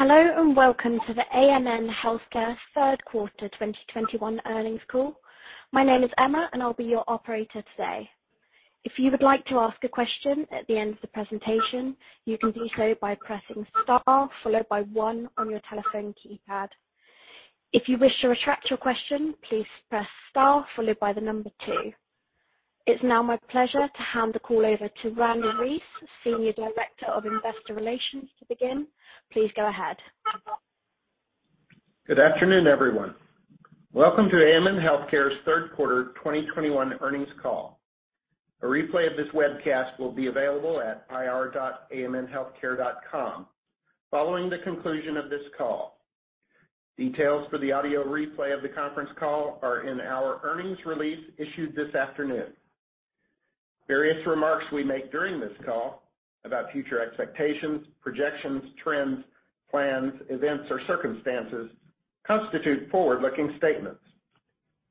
Hello, and welcome to the AMN Healthcare third quarter 2021 earnings call. My name is Emma, and I'll be your operator today. If you would like to ask a question at the end of the presentation, you can do so by pressing star followed by one on your telephone keypad. If you wish to retract your question, please press star followed by the number two. It's now my pleasure to hand the call over to Randle Reece, Senior Director of Investor Relations, to begin. Please go ahead. Good afternoon, everyone. Welcome to AMN Healthcare's third quarter 2021 earnings call. A replay of this webcast will be available at ir.amnhealthcare.com following the conclusion of this call. Details for the audio replay of the conference call are in our earnings release issued this afternoon. Various remarks we make during this call about future expectations, projections, trends, plans, events, or circumstances constitute forward-looking statements.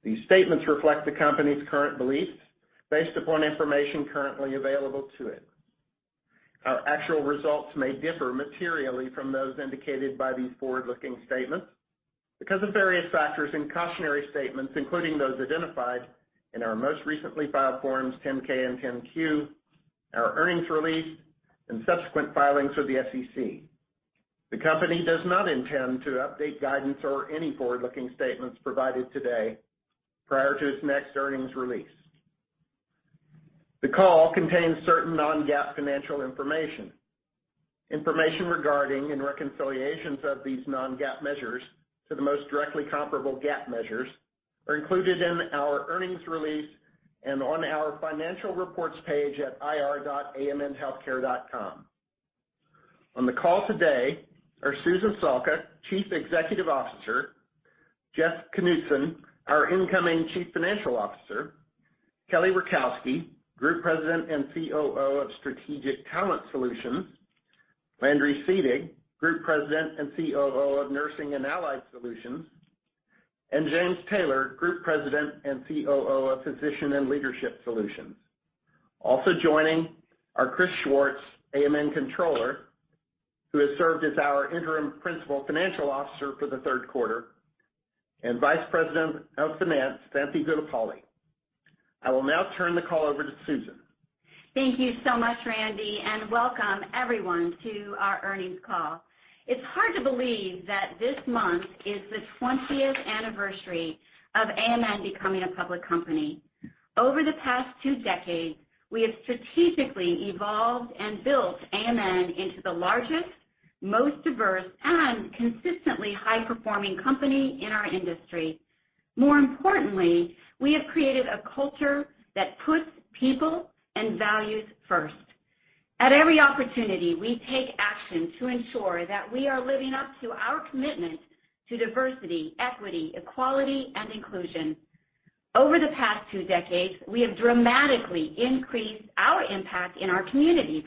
These statements reflect the company's current beliefs based upon information currently available to it. Our actual results may differ materially from those indicated by these forward-looking statements because of various factors and cautionary statements, including those identified in our most recently filed forms 10-K and 10-Q, our earnings release and subsequent filings with the SEC. The company does not intend to update guidance or any forward-looking statements provided today prior to its next earnings release. The call contains certain non-GAAP financial information. Information regarding and reconciliations of these non-GAAP measures to the most directly comparable GAAP measures are included in our earnings release and on our financial reports page at ir.amnhealthcare.com. On the call today are Susan Salka, Chief Executive Officer, Jeff Knudson, our incoming Chief Financial Officer, Kelly Rakowski, Group President and COO of Strategic Talent Solutions, Landry Seedig, Group President and COO of Nursing and Allied Solutions, and James Taylor, Group President and COO of Physician and Leadership Solutions. Also joining are Chris Schwartz, Controller, who has served as our interim Principal Financial Officer for the third quarter, and Vice President of Finance, Santhi Gullapalli. I will now turn the call over to Susan. Thank you so much, Randy, and welcome everyone to our earnings call. It's hard to believe that this month is the 20th anniversary of AMN becoming a public company. Over the past two decades, we have strategically evolved and built AMN into the largest, most diverse, and consistently high-performing company in our industry. More importantly, we have created a culture that puts people and values first. At every opportunity, we take action to ensure that we are living up to our commitment to diversity, equity, equality, and inclusion. Over the past two decades, we have dramatically increased our impact in our communities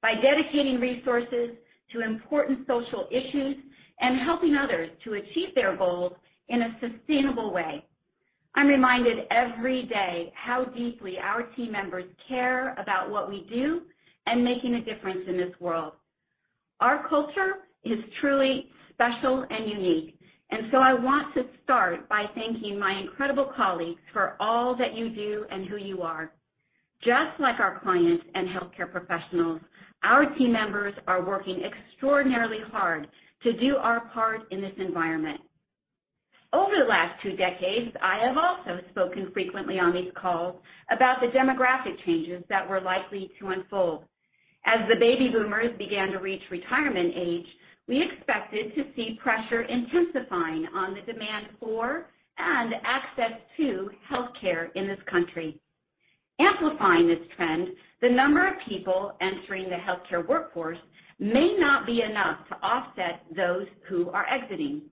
by dedicating resources to important social issues and helping others to achieve their goals in a sustainable way. I'm reminded every day how deeply our team members care about what we do and making a difference in this world. Our culture is truly special and unique, so I want to start by thanking my incredible colleagues for all that you do and who you are. Just like our clients and healthcare professionals, our team members are working extraordinarily hard to do our part in this environment. Over the last two decades, I have also spoken frequently on these calls about the demographic changes that were likely to unfold. As the baby boomers began to reach retirement age, we expected to see pressure intensifying on the demand for and access to healthcare in this country. Amplifying this trend, the number of people entering the healthcare workforce may not be enough to offset those who are exiting.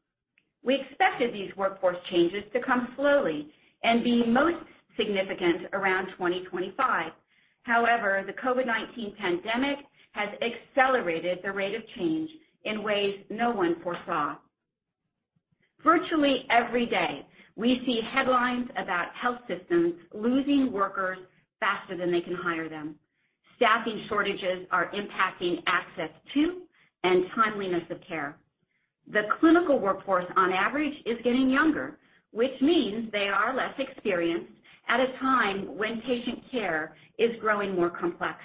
We expected these workforce changes to come slowly and be most significant around 2025. However, the COVID-19 pandemic has accelerated the rate of change in ways no one foresaw. Virtually every day, we see headlines about health systems losing workers faster than they can hire them. Staffing shortages are impacting access to and timeliness of care. The clinical workforce on average is getting younger, which means they are less experienced at a time when patient care is growing more complex.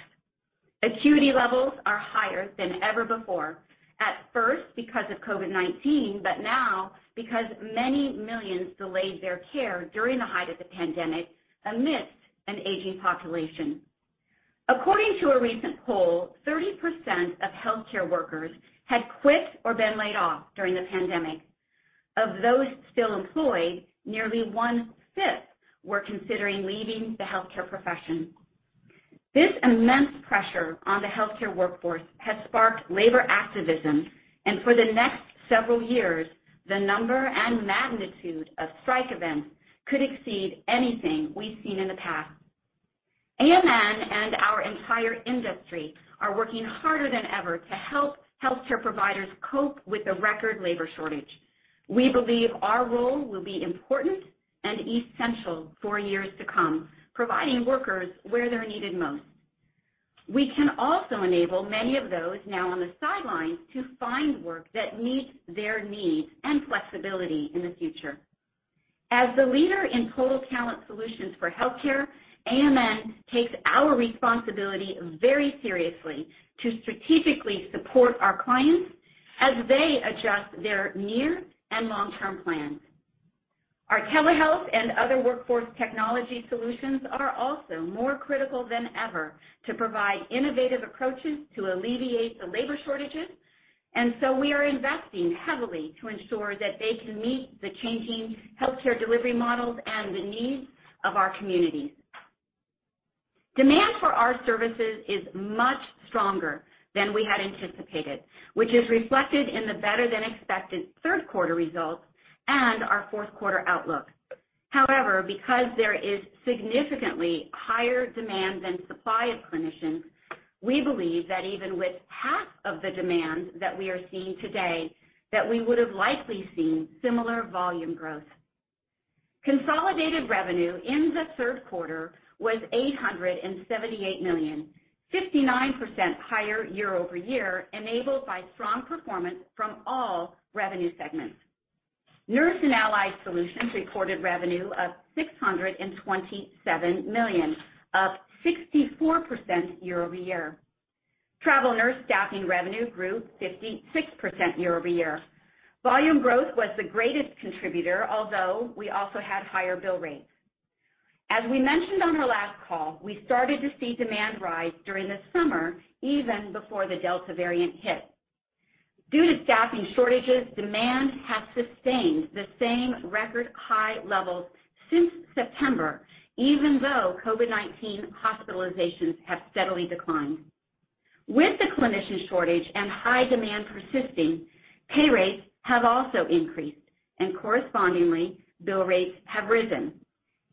Acuity levels are higher than ever before, at first because of COVID-19, but now because many millions delayed their care during the height of the pandemic amidst an aging population. According to a recent poll, 30% of healthcare workers had quit or been laid off during the pandemic. Of those still employed, nearly one-fifth were considering leaving the healthcare profession. This immense pressure on the healthcare workforce has sparked labor activism, and for the next several years, the number and magnitude of strike events could exceed anything we've seen in the past. AMN and our entire industry are working harder than ever to help healthcare providers cope with the record labor shortage. We believe our role will be important and essential for years to come, providing workers where they're needed most. We can also enable many of those now on the sidelines to find work that meets their needs and flexibility in the future. As the leader in total talent solutions for healthcare, AMN takes our responsibility very seriously to strategically support our clients as they adjust their near and long-term plans. Our telehealth and other workforce technology solutions are also more critical than ever to provide innovative approaches to alleviate the labor shortages. We are investing heavily to ensure that they can meet the changing healthcare delivery models and the needs of our communities. Demand for our services is much stronger than we had anticipated, which is reflected in the better-than-expected third quarter results and our fourth quarter outlook. However, because there is significantly higher demand than supply of clinicians, we believe that even with half of the demand that we are seeing today, that we would have likely seen similar volume growth. Consolidated revenue in the third quarter was $878 million, 59% higher year-over-year, enabled by strong performance from all revenue segments. Nursing and Allied Solutions reported revenue of $627 million, up 64% year-over-year. Travel nurse staffing revenue grew 56% year-over-year. Volume growth was the greatest contributor, although we also had higher bill rates. As we mentioned on our last call, we started to see demand rise during the summer, even before the Delta variant hit. Due to staffing shortages, demand has sustained the same record high levels since September, even though COVID-19 hospitalizations have steadily declined. With the clinician shortage and high demand persisting, pay rates have also increased, and correspondingly, bill rates have risen.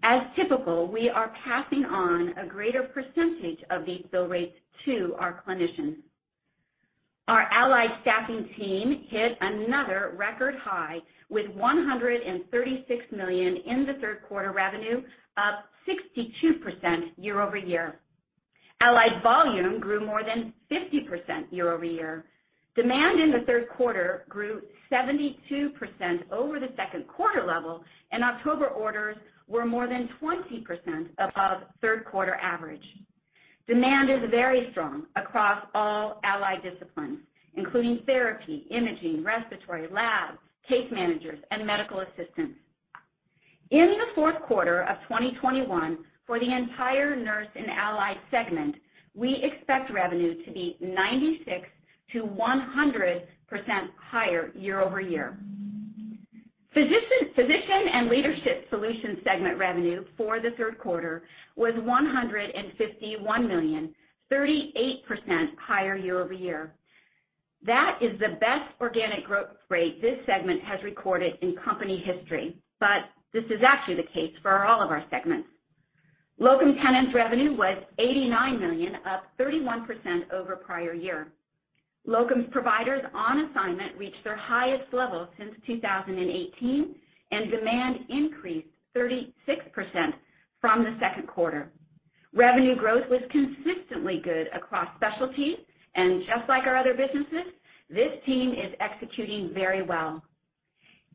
As typical, we are passing on a greater percentage of these bill rates to our clinicians. Our Allied staffing team hit another record high with $136 million in the third quarter revenue, up 62% year-over-year. Allied volume grew more than 50% year-over-year. Demand in the third quarter grew 72% over the second quarter level, and October orders were more than 20% above third quarter average. Demand is very strong across all Allied disciplines, including therapy, imaging, respiratory, labs, case managers, and medical assistants. In the fourth quarter of 2021, for the entire Nursing and Allied segment, we expect revenue to be 96%-100% higher year-over-year. Physician and Leadership Solutions segment revenue for the third quarter was $151 million, 38% higher year-over-year. That is the best organic growth rate this segment has recorded in company history, but this is actually the case for all of our segments. Locum tenens revenue was $89 million, up 31% over prior year. Locums providers on assignment reached their highest level since 2018, and demand increased 36% from the second quarter. Revenue growth was consistently good across specialties, and just like our other businesses, this team is executing very well.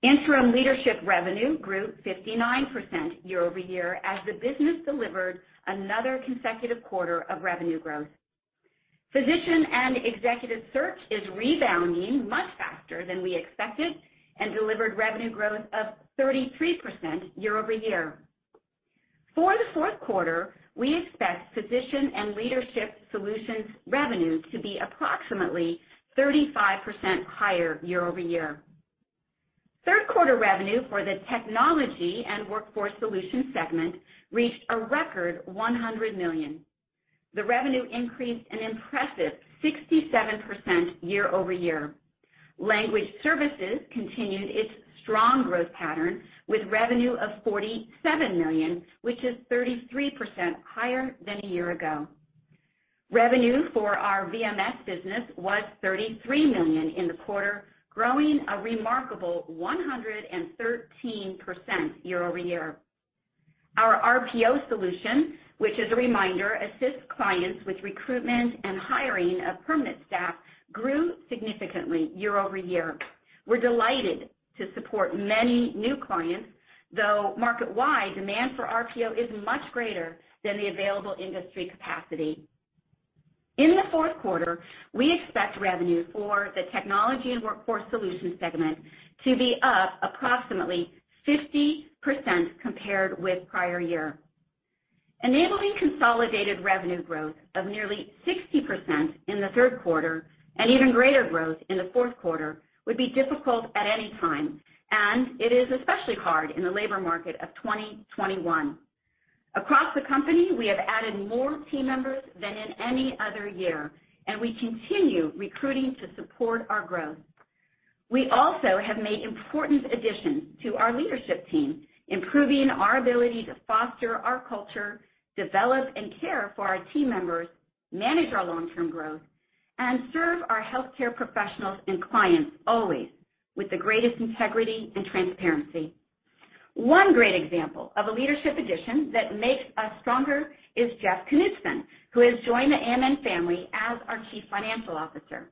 Interim leadership revenue grew 59% year-over-year as the business delivered another consecutive quarter of revenue growth. Physician and Leadership Solutions is rebounding much faster than we expected and delivered revenue growth of 33% year-over-year. For the fourth quarter, we expect Physician and Leadership Solutions revenue to be approximately 35% higher year-over-year. Third quarter revenue for the Technology and Workforce Solutions segment reached a record $100 million. The revenue increased an impressive 67% year-over-year. Language services continued its strong growth pattern with revenue of $47 million, which is 33% higher than a year ago. Revenue for our VMS business was $33 million in the quarter, growing a remarkable 113% year-over-year. Our RPO solution, which as a reminder, assists clients with recruitment and hiring of permanent staff, grew significantly year-over-year. We're delighted to support many new clients, though market-wide, demand for RPO is much greater than the available industry capacity. In the fourth quarter, we expect revenue for the Technology and Workforce Solutions segment to be up approximately 50% compared with prior year. Enabling consolidated revenue growth of nearly 60% in the third quarter and even greater growth in the fourth quarter would be difficult at any time, and it is especially hard in the labor market of 2021. Across the company, we have added more team members than in any other year, and we continue recruiting to support our growth. We also have made important additions to our leadership team, improving our ability to foster our culture, develop and care for our team members, manage our long-term growth, and serve our healthcare professionals and clients always with the greatest integrity and transparency. One great example of a leadership addition that makes us stronger is Jeff Knudson, who has joined the AMN family as our Chief Financial Officer.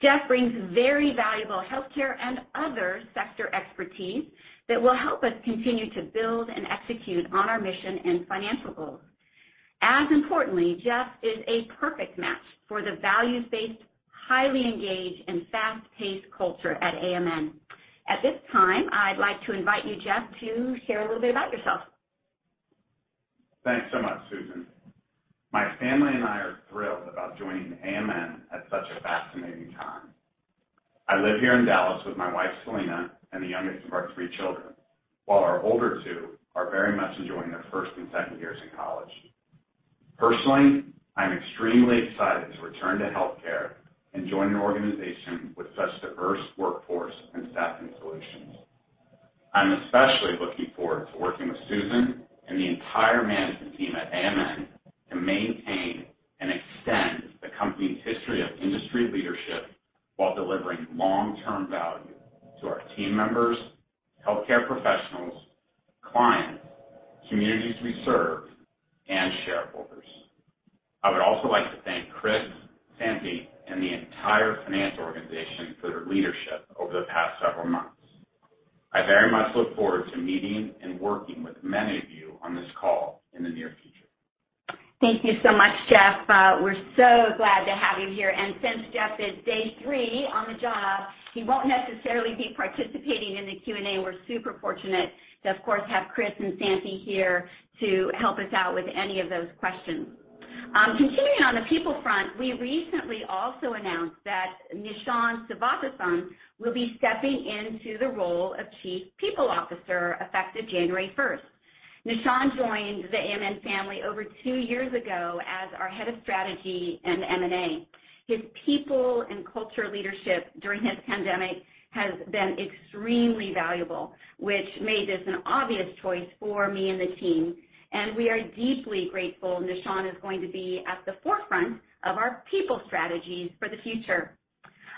Jeff brings very valuable healthcare and other sector expertise that will help us continue to build and execute on our mission and financial goals. As importantly, Jeff is a perfect match for the values-based, highly engaged, and fast-paced culture at AMN. At this time, I'd like to invite you, Jeff, to share a little bit about yourself. Thanks so much, Susan. My family and I are thrilled about joining AMN at such a fascinating time. I live here in Dallas with my wife, Selena, and the youngest of our three children, while our older two are very much enjoying their first and second years in college. Personally, I'm extremely excited to return to healthcare and join an organization with such diverse workforce and staffing solutions. I'm especially looking forward to working with Susan and the entire management team at AMN to maintain and extend the company's history of industry leadership while delivering long-term value to our team members, healthcare professionals, clients, communities we serve, and shareholders. I would also like to thank Chris, Santhi, and the entire finance organization for their leadership over the past several months. I very much look forward to meeting and working with many of you on this call in the near future. Thank you so much, Jeff. We're so glad to have you here. Since Jeff is day three on the job, he won't necessarily be participating in the Q&A. We're super fortunate to, of course, have Chris and Santhi here to help us out with any of those questions. Continuing on the people front, we recently also announced that Nishan Sivathasan will be stepping into the role of Chief People Officer effective January first. Nishan joined the AMN family over two years ago as our Head of Strategy and M&A. His people and culture leadership during this pandemic has been extremely valuable, which made this an obvious choice for me and the team, and we are deeply grateful Nishan is going to be at the forefront of our people strategies for the future.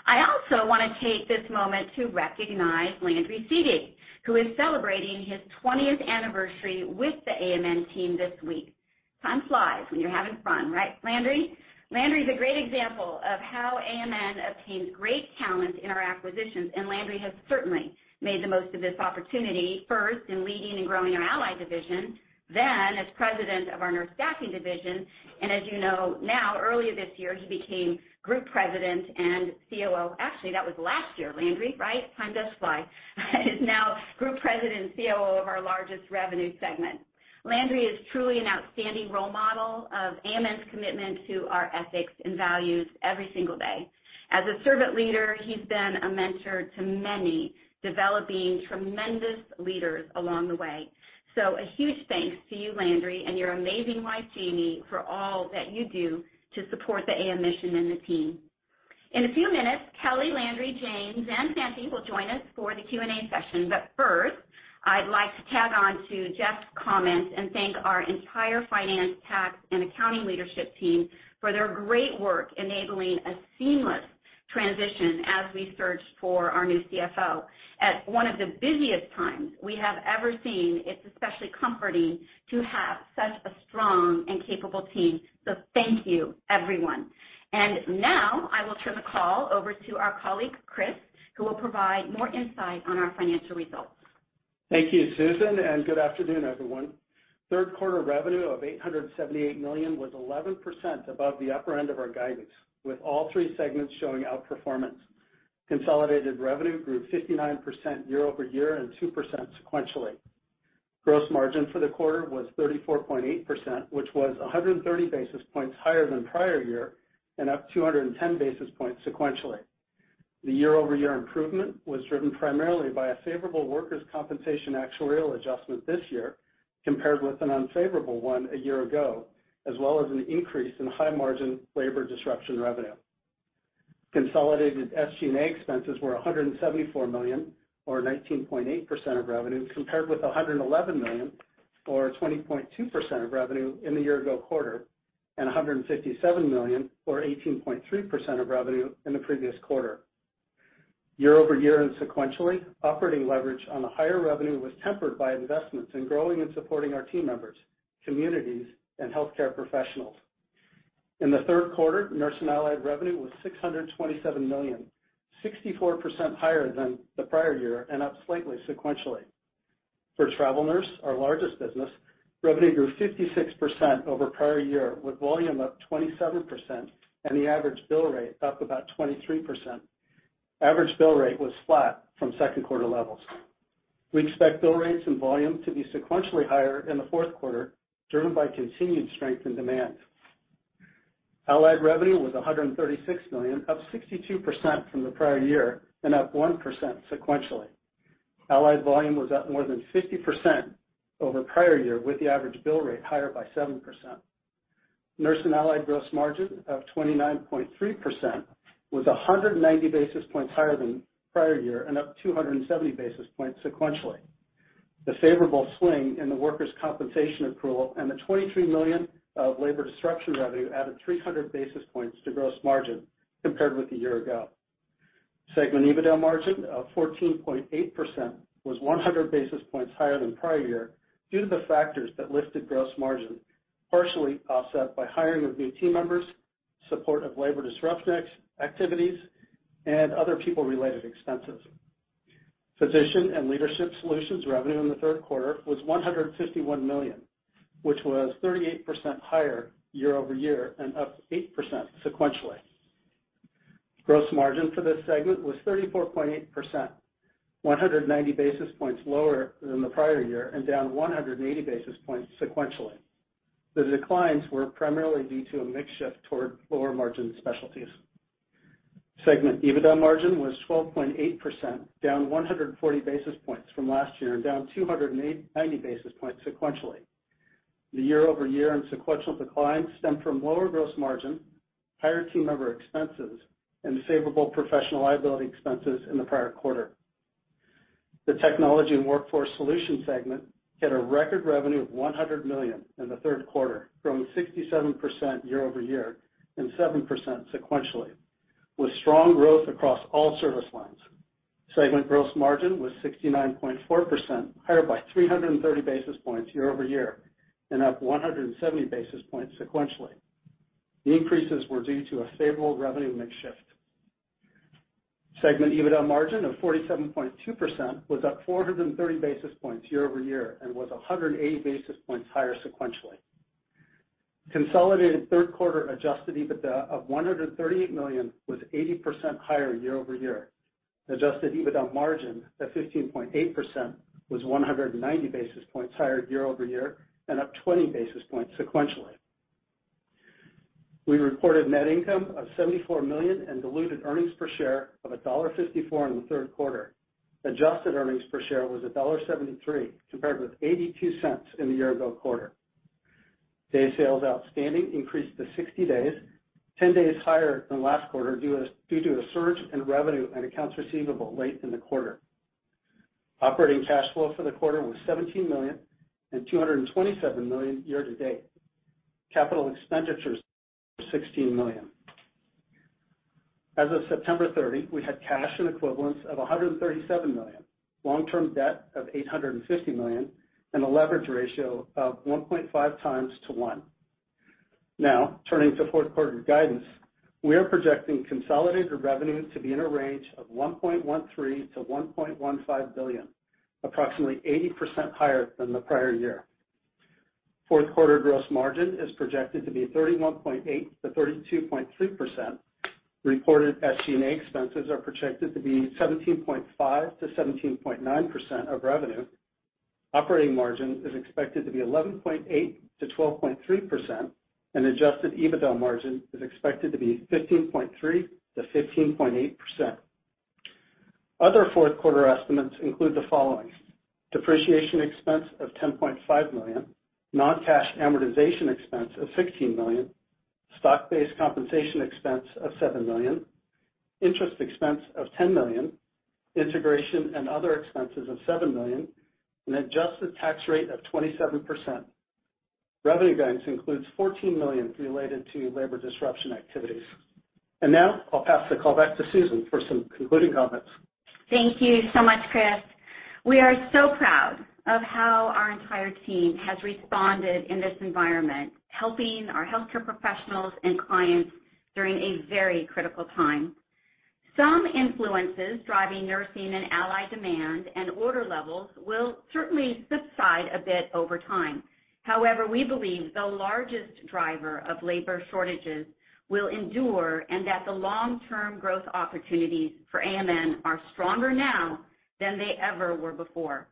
I also wanna take this moment to recognize Landry Seedig, who is celebrating his 20th anniversary with the AMN team this week. Time flies when you're having fun, right, Landry? Landry is a great example of how AMN obtains great talent in our acquisitions, and Landry has certainly made the most of this opportunity, first in leading and growing our Allied division, then as President of our Nurse Staffing division. As you know, now, earlier this year, he became Group President and COO. Actually, that was last year, Landry, right? Time does fly. He is now Group President and COO of our largest revenue segment. Landry is truly an outstanding role model of AMN's commitment to our ethics and values every single day. As a servant leader, he's been a mentor to many, developing tremendous leaders along the way. A huge thanks to you, Landry, and your amazing wife, Jamie, for all that you do to support the AMN mission and the team. In a few minutes, Kelly, Landry, James, and Santhi will join us for the Q&A session. First, I'd like to tag on to Jeff's comments and thank our entire finance, tax, and accounting leadership team for their great work enabling a seamless transition as we searched for our new CFO. At one of the busiest times we have ever seen, it's especially comforting to have such a strong and capable team. Thank you, everyone. Now, I will turn the call over to our colleague, Chris, who will provide more insight on our financial results. Thank you, Susan, and good afternoon, everyone. Third quarter revenue of $878 million was 11% above the upper end of our guidance, with all three segments showing outperformance. Consolidated revenue grew 59% year-over-year and 2% sequentially. Gross margin for the quarter was 34.8%, which was 130 basis points higher than prior year and up 210 basis points sequentially. The year-over-year improvement was driven primarily by a favorable workers' compensation actuarial adjustment this year compared with an unfavorable one a year ago, as well as an increase in high-margin labor disruption revenue. Consolidated SG&A expenses were $174 million or 19.8% of revenue, compared with $111 million or 20.2% of revenue in the year-ago quarter, and $157 million or 18.3% of revenue in the previous quarter. Year-over-year and sequentially, operating leverage on the higher revenue was tempered by investments in growing and supporting our team members, communities, and healthcare professionals. In the third quarter, Nursing Allied revenue was $627 million, 64% higher than the prior year and up slightly sequentially. For Travel Nurse, our largest business, revenue grew 56% over prior year, with volume up 27% and the average bill rate up about 23%. Average bill rate was flat from second quarter levels. We expect bill rates and volume to be sequentially higher in the fourth quarter, driven by continued strength in demand. Allied revenue was $136 million, up 62% from the prior year and up 1% sequentially. Allied volume was up more than 50% over prior year, with the average bill rate higher by 7%. Nursing and Allied gross margin of 29.3% was 190 basis points higher than prior year and up 270 basis points sequentially. The favorable swing in the workers' compensation accrual and the $23 million of labor disruption revenue added 300 basis points to gross margin compared with a year ago. Segment EBITDA margin of 14.8% was 100 basis points higher than prior year due to the factors that lifted gross margin, partially offset by hiring of new team members, support of labor disruption activities, and other people-related expenses. Physician and Leadership Solutions revenue in the third quarter was $151 million, which was 38% higher year over year and up 8% sequentially. Gross margin for this segment was 34.8%, 190 basis points lower than the prior year and down 180 basis points sequentially. The declines were primarily due to a mix shift toward lower-margin specialties. Segment EBITDA margin was 12.8%, down 140 basis points from last year and down 290 basis points sequentially. The year over year and sequential declines stemmed from lower gross margin, higher team member expenses, and favorable professional liability expenses in the prior quarter. The Technology and Workforce Solutions segment had a record revenue of $100 million in the third quarter, growing 67% year over year and 7% sequentially, with strong growth across all service lines. Segment gross margin was 69.4%, higher by 330 basis points year over year and up 170 basis points sequentially. The increases were due to a favorable revenue mix shift. Segment EBITDA margin of 47.2% was up 430 basis points year over year and was 180 basis points higher sequentially. Consolidated third quarter adjusted EBITDA of $138 million was 80% higher year over year. Adjusted EBITDA margin at 15.8% was 190 basis points higher year over year and up 20 basis points sequentially. We reported net income of $74 million and diluted earnings per share of $1.54 in the third quarter. Adjusted earnings per share was $1.73 compared with $0.82 in the year-ago quarter. Day sales outstanding increased to 60 days, 10 days higher than last quarter due to a surge in revenue and accounts receivable late in the quarter. Operating cash flow for the quarter was $17 million and $227 million year to date. Capital expenditures were $16 million. As of September 30, we had cash and equivalents of $137 million, long-term debt of $850 million, and a leverage ratio of 1.5 times to one. Now, turning to fourth quarter guidance. We are projecting consolidated revenue to be in a range of $1.13 billion-$1.15 billion, approximately 80% higher than the prior year. Fourth quarter gross margin is projected to be 31.8%-32.3%. Reported SG&A expenses are projected to be 17.5%-17.9% of revenue. Operating margin is expected to be 11.8%-12.3%, and adjusted EBITDA margin is expected to be 15.3%-15.8%. Other fourth quarter estimates include the following, depreciation expense of $10.5 million, non-cash amortization expense of $16 million, stock-based compensation expense of $7 million, interest expense of $10 million, integration and other expenses of $7 million, and adjusted tax rate of 27%. Revenue guidance includes $14 million related to labor disruption activities. Now I'll pass the call back to Susan for some concluding comments. Thank you so much, Chris. We are so proud of how our entire team has responded in this environment, helping our healthcare professionals and clients during a very critical time. Some influences driving nursing and allied demand and order levels will certainly subside a bit over time. However, we believe the largest driver of labor shortages will endure, and that the long-term growth opportunities for AMN are stronger now than they ever were before.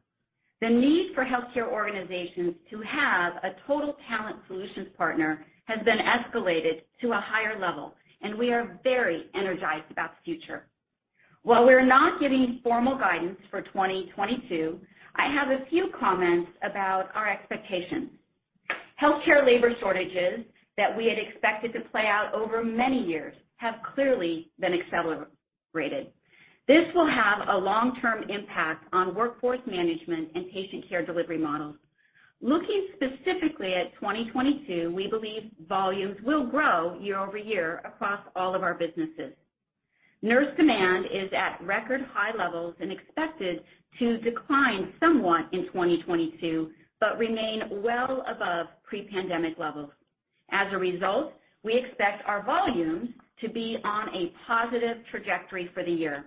The need for healthcare organizations to have a total talent solutions partner has been escalated to a higher level, and we are very energized about the future. While we're not giving formal guidance for 2022, I have a few comments about our expectations. Healthcare labor shortages that we had expected to play out over many years have clearly been accelerated. This will have a long-term impact on workforce management and patient care delivery models. Looking specifically at 2022, we believe volumes will grow year over year across all of our businesses. Nurse demand is at record high levels and expected to decline somewhat in 2022, but remain well above pre-pandemic levels. As a result, we expect our volumes to be on a positive trajectory for the year.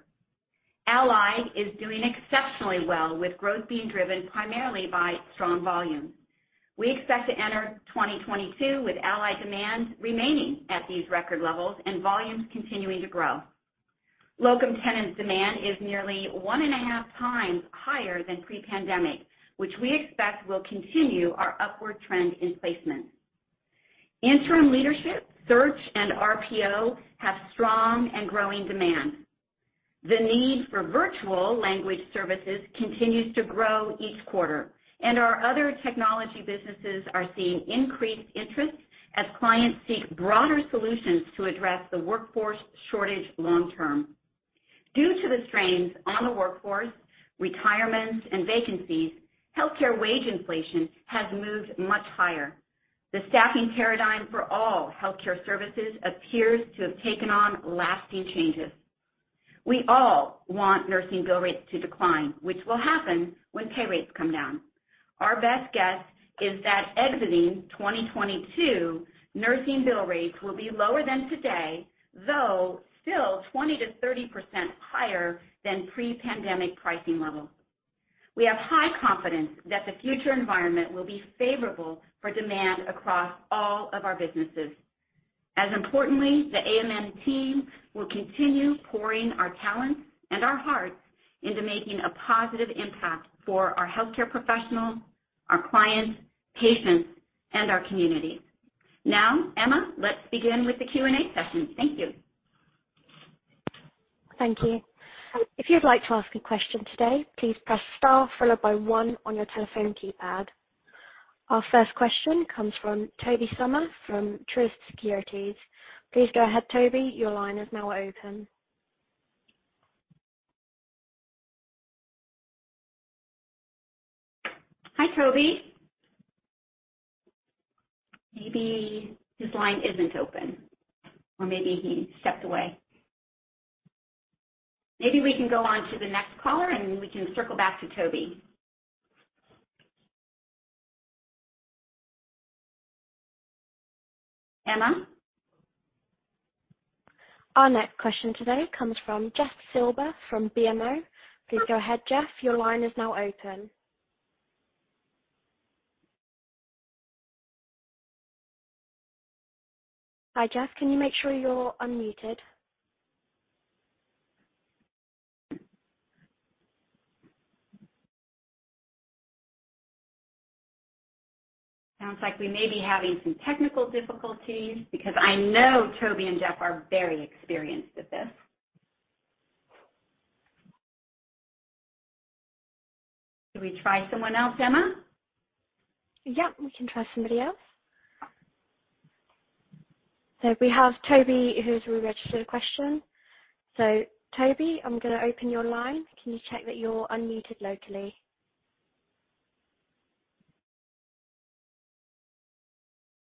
Allied is doing exceptionally well, with growth being driven primarily by strong volumes. We expect to enter 2022 with allied demand remaining at these record levels and volumes continuing to grow. Locum tenens demand is nearly 1.5 times higher than pre-pandemic, which we expect will continue our upward trend in placements. Interim leadership, search, and RPO have strong and growing demand. The need for virtual language services continues to grow each quarter, and our other technology businesses are seeing increased interest as clients seek broader solutions to address the workforce shortage long term. Due to the strains on the workforce, retirements, and vacancies, healthcare wage inflation has moved much higher. The staffing paradigm for all healthcare services appears to have taken on lasting changes. We all want nursing bill rates to decline, which will happen when pay rates come down. Our best guess is that exiting 2022, nursing bill rates will be lower than today, though still 20%-30% higher than pre-pandemic pricing levels. We have high confidence that the future environment will be favorable for demand across all of our businesses. As importantly, the AMN team will continue pouring our talents and our hearts into making a positive impact for our healthcare professionals, our clients, patients, and our communities. Now, Emma, let's begin with the Q&A session. Thank you. Thank you. If you'd like to ask a question today, please press star followed by one on your telephone keypad. Our first question comes from Tobey Sommer from Truist Securities. Please go ahead, Tobey. Your line is now open. Hi, Tobey. Maybe his line isn't open, or maybe he stepped away. Maybe we can go on to the next caller, and we can circle back to Tobey. Emma? Our next question today comes from Jeff Silber from BMO. Please go ahead, Jeff. Your line is now open. Hi, Jeff. Can you make sure you're unmuted? Sounds like we may be having some technical difficulties because I know Tobey and Jeff are very experienced with this. Should we try someone else, Emma? Yeah, we can try somebody else. We have Tobey who's registered a question. Tobey, I'm gonna open your line. Can you check that you're unmuted locally?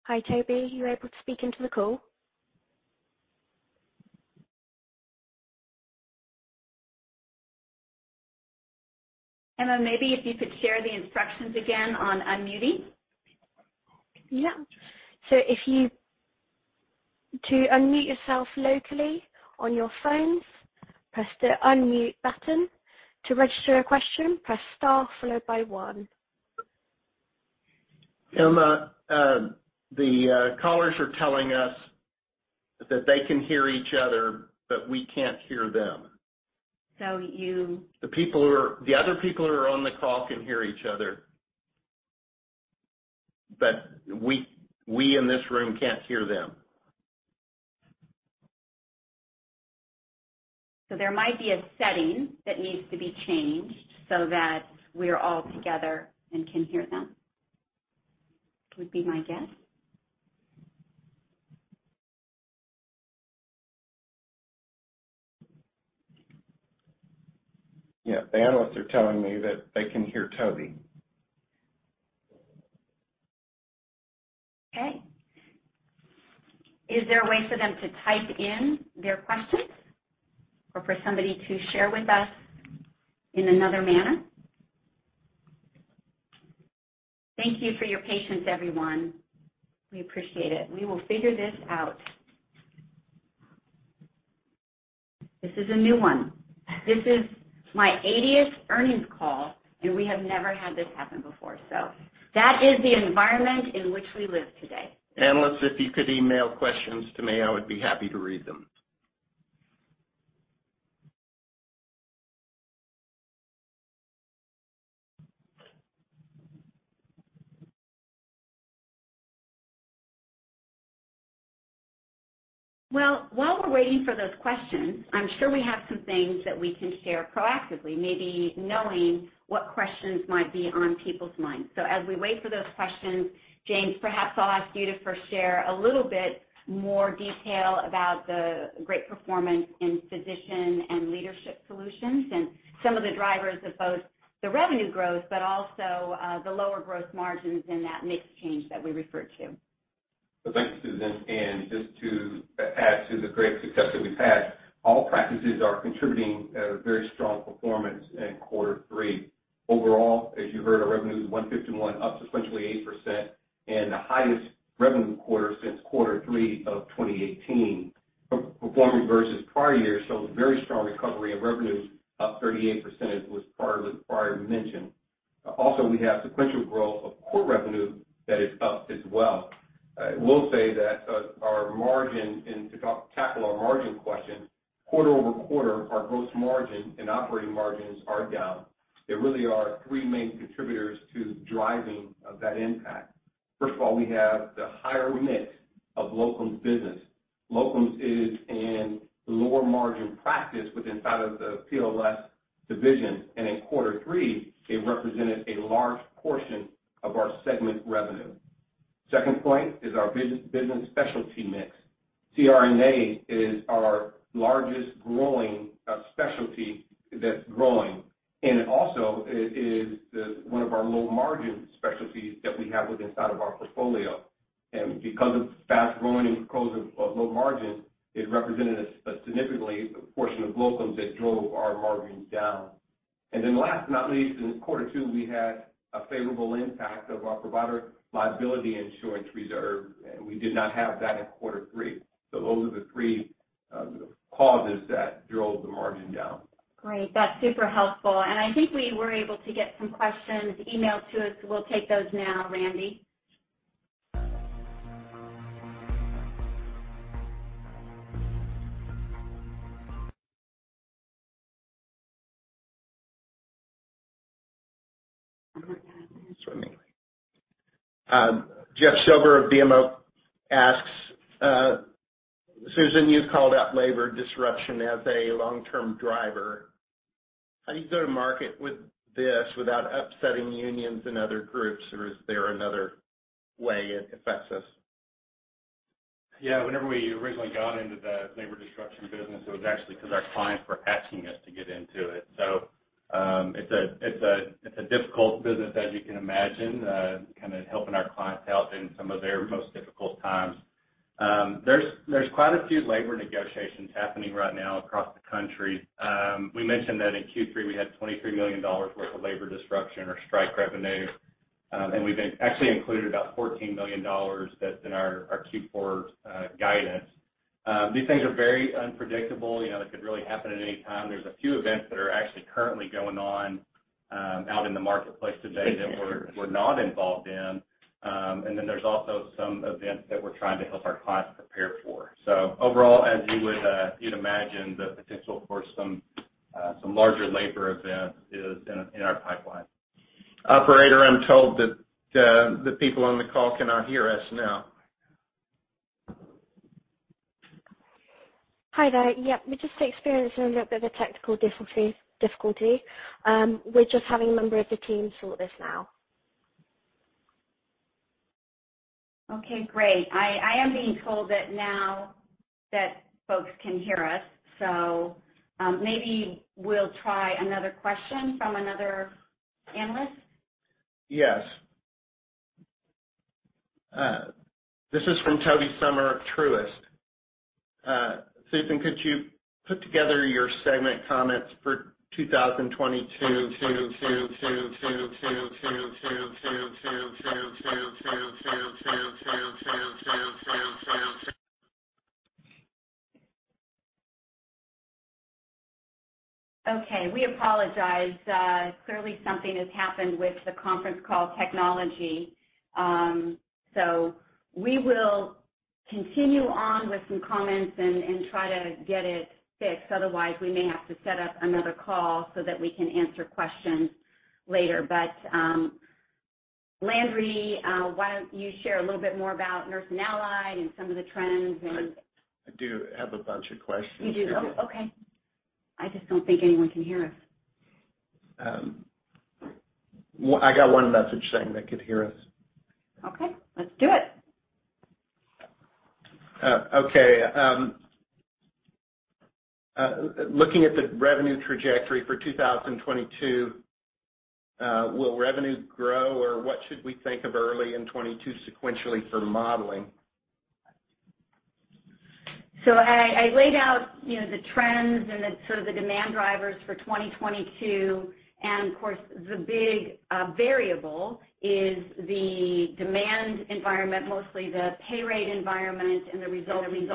Hi, Tobey. Are you able to speak into the call? Emma, maybe if you could share the instructions again on unmuting. Yeah. So if you-- To unmute yourself locally on your phones, press the unmute button. To register a question, press star followed by one. Emma, callers are telling us that they can hear each other, but we can't hear them. So you- The other people who are on the call can hear each other, but we in this room can't hear them. There might be a setting that needs to be changed so that we're all together and can hear them. Would be my guess. Yeah. The analysts are telling me that they can hear Tobey. Okay. Is there a way for them to type in their questions or for somebody to share with us in another manner? Thank you for your patience, everyone. We appreciate it. We will figure this out. This is a new one. This is my eightieth earnings call, and we have never had this happen before. That is the environment in which we live today. Analysts, if you could email questions to me, I would be happy to read them. Well, while we're waiting for those questions, I'm sure we have some things that we can share proactively, maybe knowing what questions might be on people's minds. As we wait for those questions, James, perhaps I'll ask you to first share a little bit more detail about the great performance in Physician and Leadership Solutions and some of the drivers of both the revenue growth, but also, the lower growth margins and that mix change that we referred to. Thanks, Susan. Just to add to the great success that we've had, all practices are contributing a very strong performance in quarter three. Overall, as you heard, our revenue is $151, up sequentially 8% and the highest revenue quarter since quarter three of 2018. Performance versus prior years shows very strong recovery of revenues, up 38% as previously mentioned. Also, we have sequential growth of core revenue that is up as well. I will say that our margin, and to tackle our margin question, quarter-over-quarter, our gross margin and operating margins are down. There really are three main contributors to driving of that impact. First of all, we have the higher mix of locums business. Locums is a lower margin practice within the PLS division. In quarter three, it represented a large portion of our segment revenue. Second point is our business specialty mix. CRNA is our largest growing specialty that's growing. It also is the one of our low margin specialties that we have within inside of our portfolio. Because it's fast-growing and because of low margin, it represented a significant portion of locums that drove our margins down. Then last but not least, in quarter two, we had a favorable impact of our provider liability insurance reserve, and we did not have that in quarter three. Those are the three causes that drove the margin down. Great. That's super helpful. I think we were able to get some questions emailed to us, so we'll take those now, Randy. Jeff Silber of BMO asks, "Susan, you've called out labor disruption as a long-term driver. How do you go to market with this without upsetting unions and other groups, or is there another way it affects us? Yeah, whenever we originally got into the labor disruption business, it was actually because our clients were asking us to get into it. It's a difficult business as you can imagine, kinda helping our clients out in some of their most difficult times. There's quite a few labor negotiations happening right now across the country. We mentioned that in Q3, we had $23 million worth of labor disruption or strike revenue, and we've actually included about $14 million that's in our Q4 guidance. These things are very unpredictable, you know, they could really happen at any time. There's a few events that are actually currently going on out in the marketplace today that we're not involved in. There's also some events that we're trying to help our clients prepare for. Overall, as you would, you'd imagine the potential for some larger labor events is in our pipeline. Operator, I'm told that the people on the call cannot hear us now. Hi there. Yeah, we're just experiencing a little bit of a technical difficulty. We're just having a member of the team sort this now. Okay, great. I am being told that now that folks can hear us, maybe we'll try another question from another analyst. Yes. This is from Tobey Sommer of Truist. Susan, could you put together your segment comments for 2022? Okay, we apologize. Clearly something has happened with the conference call technology. So we will continue on with some comments and try to get it fixed. Otherwise, we may have to set up another call so that we can answer questions later. Landry, why don't you share a little bit more about Nursing and Allied and some of the trends and- I do have a bunch of questions. You do? Okay. I just don't think anyone can hear us. I got one message saying they could hear us. Okay, let's do it. Looking at the revenue trajectory for 2022, will revenue grow, or what should we think of early in 2022 sequentially for modeling? I laid out, you know, the trends and the sort of the demand drivers for 2022. Of course, the big variable is the demand environment, mostly the pay rate environment and the resulting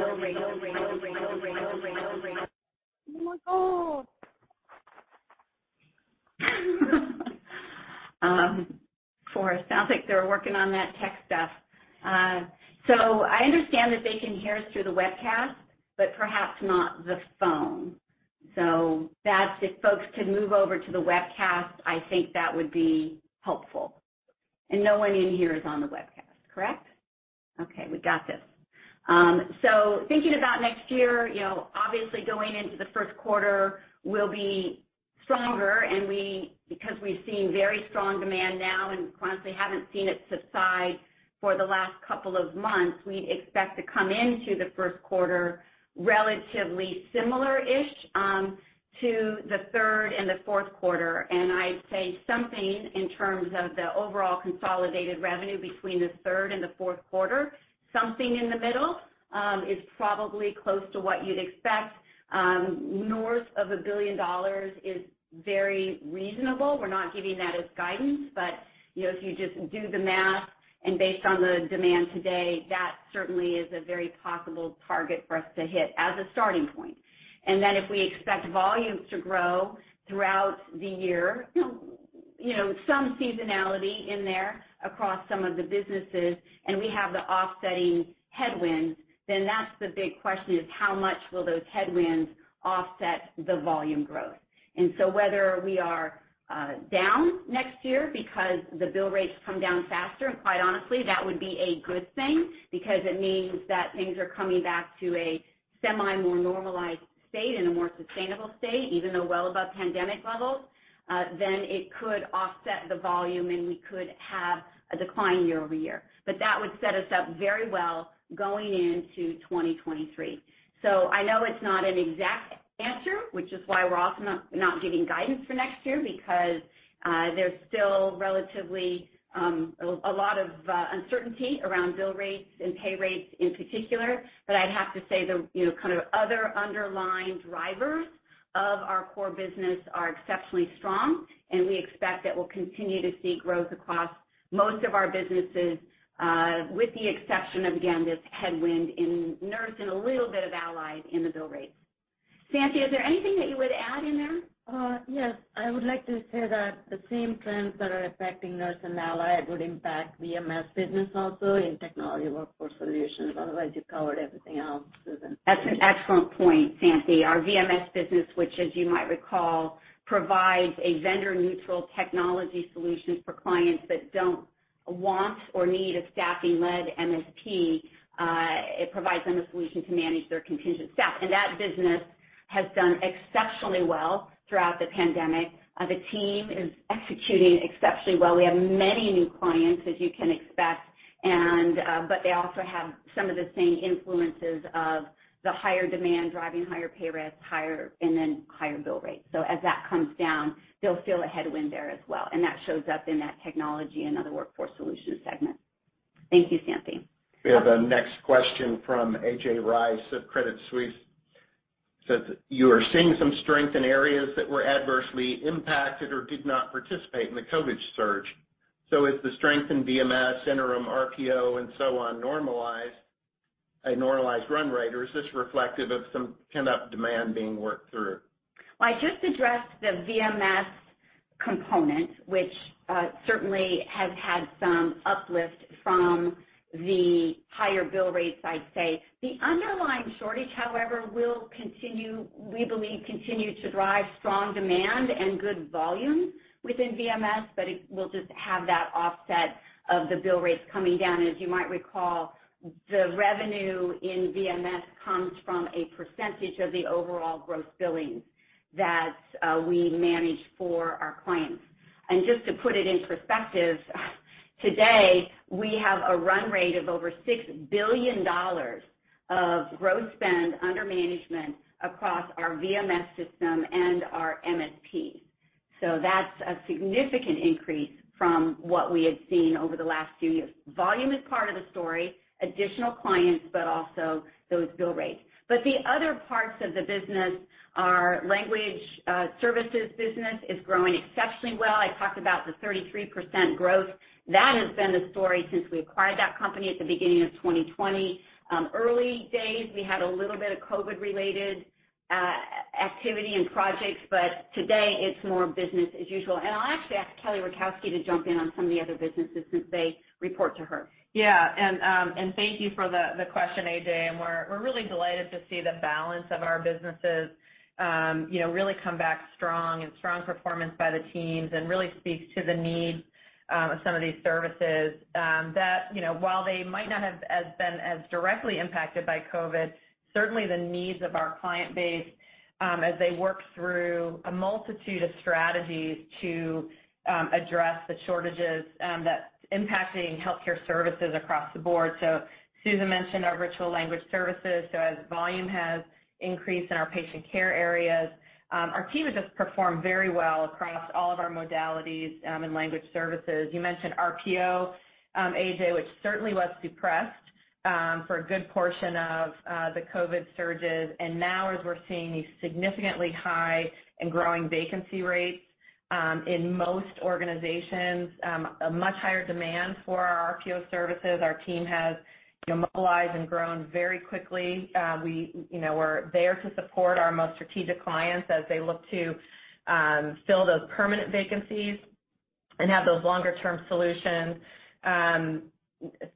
for us. Sounds like they're working on that tech stuff. I understand that they can hear us through the webcast, but perhaps not the phone. That's if folks could move over to the webcast, I think that would be helpful. No one in here is on the webcast, correct? Okay, we got this. Thinking about next year, you know, obviously going into the first quarter will be stronger, because we've seen very strong demand now and quite honestly haven't seen it subside for the last couple of months, we'd expect to come into the first quarter relatively similar-ish to the third and the fourth quarter. I'd say something in terms of the overall consolidated revenue between the third and the fourth quarter, something in the middle is probably close to what you'd expect. North of $1 billion is very reasonable. We're not giving that as guidance, but, you know, if you just do the math and based on the demand today, that certainly is a very possible target for us to hit as a starting point. If we expect volumes to grow throughout the year, you know, some seasonality in there across some of the businesses, and we have the offsetting headwinds, then that's the big question, is how much will those headwinds offset the volume growth? Whether we are down next year because the bill rates come down faster, and quite honestly, that would be a good thing because it means that things are coming back to a semi-more normalized state and a more sustainable state, even though well above pandemic levels, then it could offset the volume, and we could have a decline year over year. That would set us up very well going into 2023. I know it's not an exact answer, which is why we're also not giving guidance for next year, because there's still relatively a lot of uncertainty around bill rates and pay rates in particular. But I'd have to say the kind of other underlying drivers of our core business are exceptionally strong, and we expect that we'll continue to see growth across most of our businesses, with the exception of, again, this headwind in nursing and a little bit of allied in the bill rates. Santhi, is there anything that you would add in there? Yes. I would like to say that the same trends that are affecting nurse and allied would impact VMS business also in technology workforce solutions. Otherwise, you covered everything else, Susan. That's an excellent point, Santhi. Our VMS business, which, as you might recall, provides a vendor-neutral technology solution for clients that don't want or need a staffing-led MSP. It provides them a solution to manage their contingent staff, and that business has done exceptionally well throughout the pandemic. The team is executing exceptionally well. We have many new clients, as you can expect, but they also have some of the same influences of the higher demand driving higher pay rates and higher bill rates. As that comes down, they'll feel a headwind there as well, and that shows up in that Technology and Workforce Solutions segment. Thank you, Santhi. We have our next question from A.J. Rice of Credit Suisse. Says, "You are seeing some strength in areas that were adversely impacted or did not participate in the COVID surge. So, is the strength in VMS, interim RPO and so on a normalized run rate, or is this reflective of some pent-up demand being worked through? Well, I just addressed the VMS component, which certainly has had some uplift from the higher bill rates, I'd say. The underlying shortage, however, will continue, we believe, to drive strong demand and good volume within VMS, but it will just have that offset of the bill rates coming down. As you might recall, the revenue in VMS comes from a percentage of the overall gross billings that we manage for our clients. Just to put it in perspective, today, we have a run rate of over $6 billion of gross spend under management across our VMS system and our MSP. That's a significant increase from what we had seen over the last few years. Volume is part of the story, additional clients, but also those bill rates. The other parts of the business, our language services business is growing exceptionally well. I talked about the 33% growth. That has been the story since we acquired that company at the beginning of 2020. In the early days, we had a little bit of COVID-19-related activity and projects, but today it's more business as usual. I'll actually ask Kelly Rakowski to jump in on some of the other businesses since they report to her. Yeah. Thank you for the question, A.J. We're really delighted to see the balance of our businesses, you know, really come back strong and strong performance by the teams and really speaks to the need of some of these services that, you know, while they might not have been as directly impacted by COVID, certainly the needs of our client base as they work through a multitude of strategies to address the shortages that's impacting healthcare services across the board. Susan mentioned our virtual language services. As volume has increased in our patient care areas, our team has just performed very well across all of our modalities and language services. You mentioned RPO, A.J., which certainly was depressed for a good portion of the COVID surges. Now, as we're seeing these significantly high and growing vacancy rates in most organizations, a much higher demand for our RPO services. Our team has, you know, mobilized and grown very quickly. We, you know, we're there to support our most strategic clients as they look to fill those permanent vacancies and have those longer-term solutions.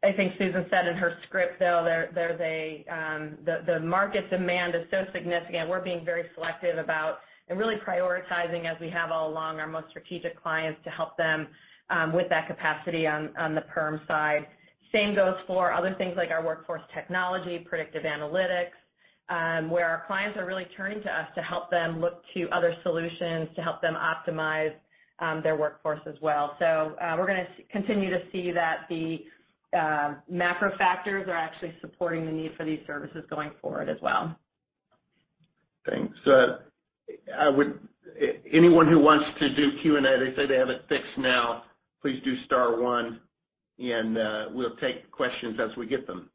I think Susan said in her script, though, the market demand is so significant. We're being very selective about and really prioritizing, as we have all along, our most strategic clients to help them with that capacity on the perm side. Same goes for other things like our workforce technology, predictive analytics, where our clients are really turning to us to help them look to other solutions to help them optimize their workforce as well. We're gonna continue to see that the macro factors are actually supporting the need for these services going forward as well. Thanks. Anyone who wants to do Q&A, they say they have it fixed now. Please do star one, and we'll take questions as we get them.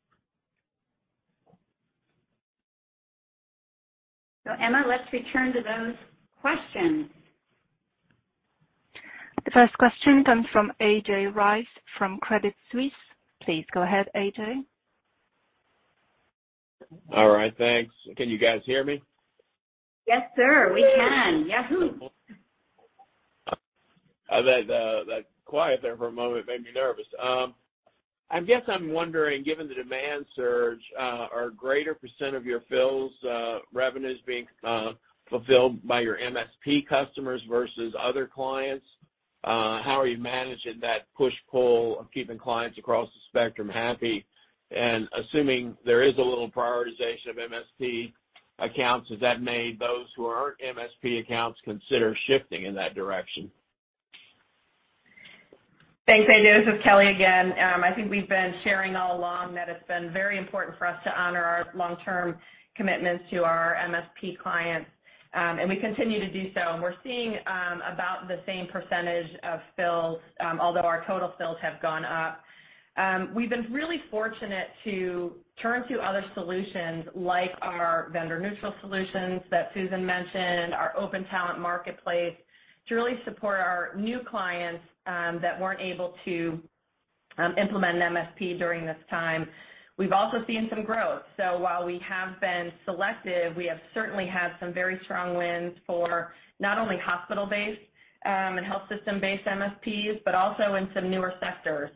Emma, let's return to those questions. The first question comes from A.J. Rice from Credit Suisse. Please go ahead, A.J. All right. Thanks. Can you guys hear me? Yes, sir. We can. Yahoo. That quiet there for a moment made me nervous. I guess I'm wondering, given the demand surge, are a greater percent of your fills, revenues being fulfilled by your MSP customers versus other clients? How are you managing that push-pull of keeping clients across the spectrum happy? Assuming there is a little prioritization of MSP accounts, has that made those who aren't MSP accounts consider shifting in that direction? Thanks, A.J. This is Kelly again. I think we've been sharing all along that it's been very important for us to honor our long-term commitments to our MSP clients, and we continue to do so. We're seeing about the same percentage of fills, although our total fills have gone up. We've been really fortunate to turn to other solutions like our vendor-neutral solutions that Susan mentioned, our open talent marketplace, to really support our new clients that weren't able to implement an MSP during this time. We've also seen some growth. While we have been selective, we have certainly had some very strong wins for not only hospital-based and health system-based MSPs, but also in some newer sectors.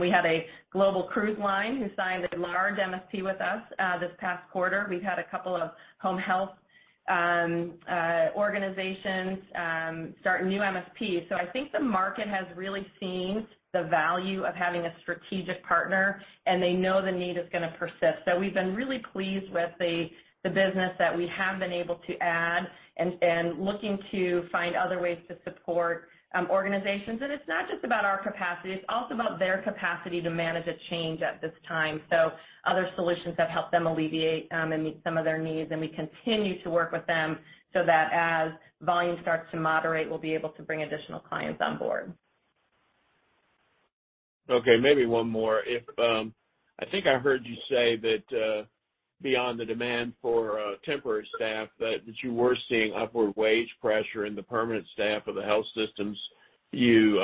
We have a global cruise line who signed a large MSP with us this past quarter. We've had a couple of home health organizations start new MSPs. I think the market has really seen the value of having a strategic partner, and they know the need is gonna persist. We've been really pleased with the business that we have been able to add and looking to find other ways to support organizations. It's not just about our capacity, it's also about their capacity to manage a change at this time. Other solutions have helped them alleviate and meet some of their needs, and we continue to work with them so that as volume starts to moderate, we'll be able to bring additional clients on board. Okay, maybe one more. If I think I heard you say that beyond the demand for temporary staff, that you were seeing upward wage pressure in the permanent staff of the health systems you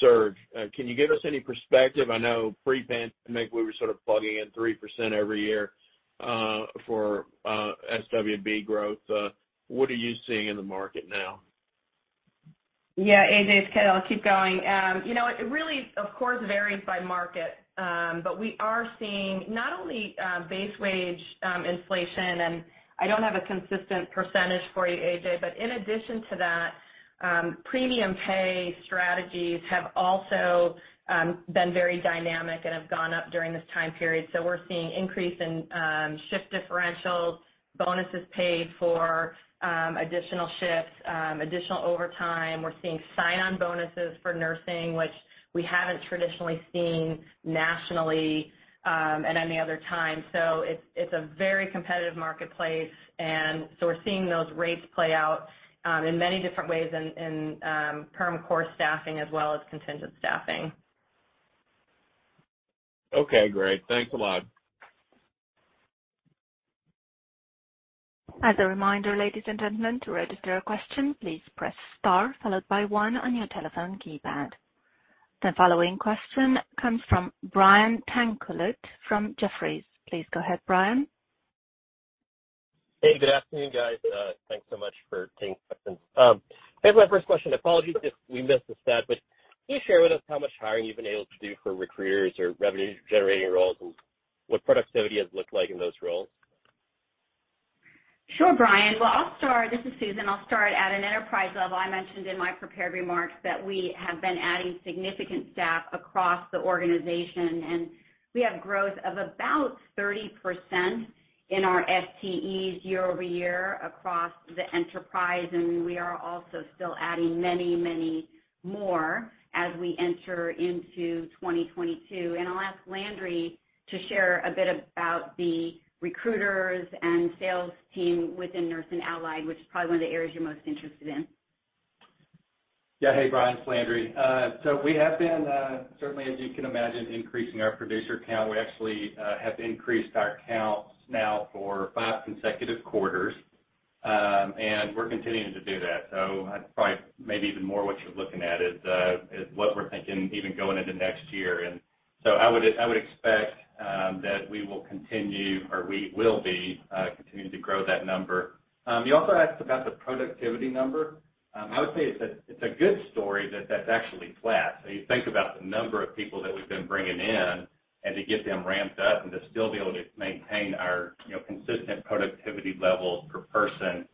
serve. Can you give us any perspective? I know pre-pandemic, we were sort of plugging in 3% every year for SWB growth. What are you seeing in the market now? Yeah, A.J., it's Kelly. I'll keep going. You know, it really, of course, varies by market. But we are seeing not only base wage inflation, and I don't have a consistent percentage for you, A.J., but in addition to that, premium pay strategies have also been very dynamic and have gone up during this time period. So we're seeing increase in shift differentials, bonuses paid for additional shifts, additional overtime. We're seeing sign-on bonuses for nursing, which we haven't traditionally seen nationally at any other time. So it's a very competitive marketplace, and so we're seeing those rates play out in many different ways in perm core staffing as well as contingent staffing. Okay, great. Thanks a lot. As a reminder, ladies and gentlemen, to register a question, please press star followed by one on your telephone keypad. The following question comes from Brian Tanquilut from Jefferies. Please go ahead, Brian. Hey, good afternoon, guys. Thanks so much for taking questions. I have my first question. Apologies if we missed the stat, but can you share with us how much hiring you've been able to do for recruiters or revenue-generating roles and what productivity has looked like in those roles? Sure, Brian. Well, I'll start. This is Susan. I'll start at an enterprise level. I mentioned in my prepared remarks that we have been adding significant staff across the organization, and we have growth of about 30% in our FTEs year-over-year across the enterprise, and we are also still adding many, many more as we enter into 2022. I'll ask Landry to share a bit about the recruiters and sales team within Nursing and Allied, which is probably one of the areas you're most interested in. Yeah. Hey, Brian, it's Landry. We have been certainly, as you can imagine, increasing our producer count. We actually have increased our counts now for five consecutive quarters, and we're continuing to do that. That's probably maybe even more what you're looking at is what we're thinking even going into next year. I would expect that we will continue or we will be continuing to grow that number. You also asked about the productivity number. I would say it's a good story that that's actually flat. You think about the number of people that we've been bringing in and to get them ramped up and to still be able to maintain our, you know, consistent productivity levels per person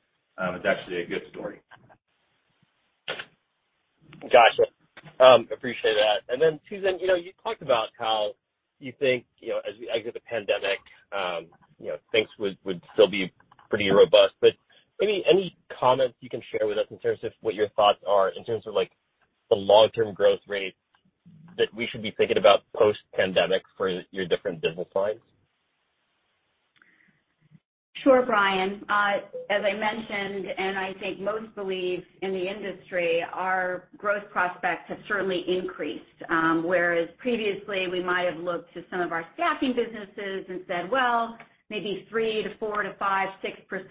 is actually a good story. Gotcha. Appreciate that. Susan, you know, you talked about how you think, you know, as we exit the pandemic, you know, things would still be pretty robust, but any comments you can share with us in terms of what your thoughts are in terms of, like, the long-term growth rates that we should be thinking about post-pandemic for your different business lines? Sure, Brian. As I mentioned, and I think most believe in the industry, our growth prospects have certainly increased. Whereas previously we might have looked to some of our staffing businesses and said, well, maybe 3%-6%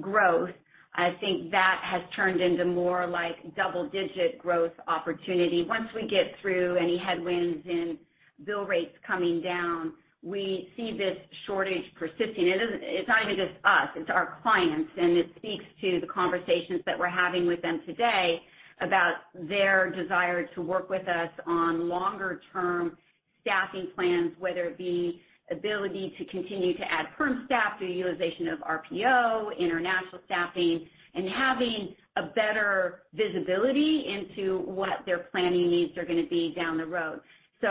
growth. I think that has turned into more like double-digit growth opportunity. Once we get through any headwinds and bill rates coming down, we see this shortage persisting. It's not even just us, it's our clients. It speaks to the conversations that we're having with them today about their desire to work with us on longer-term staffing plans, whether it be ability to continue to add firm staff through utilization of RPO, international staffing, and having a better visibility into what their planning needs are gonna be down the road. You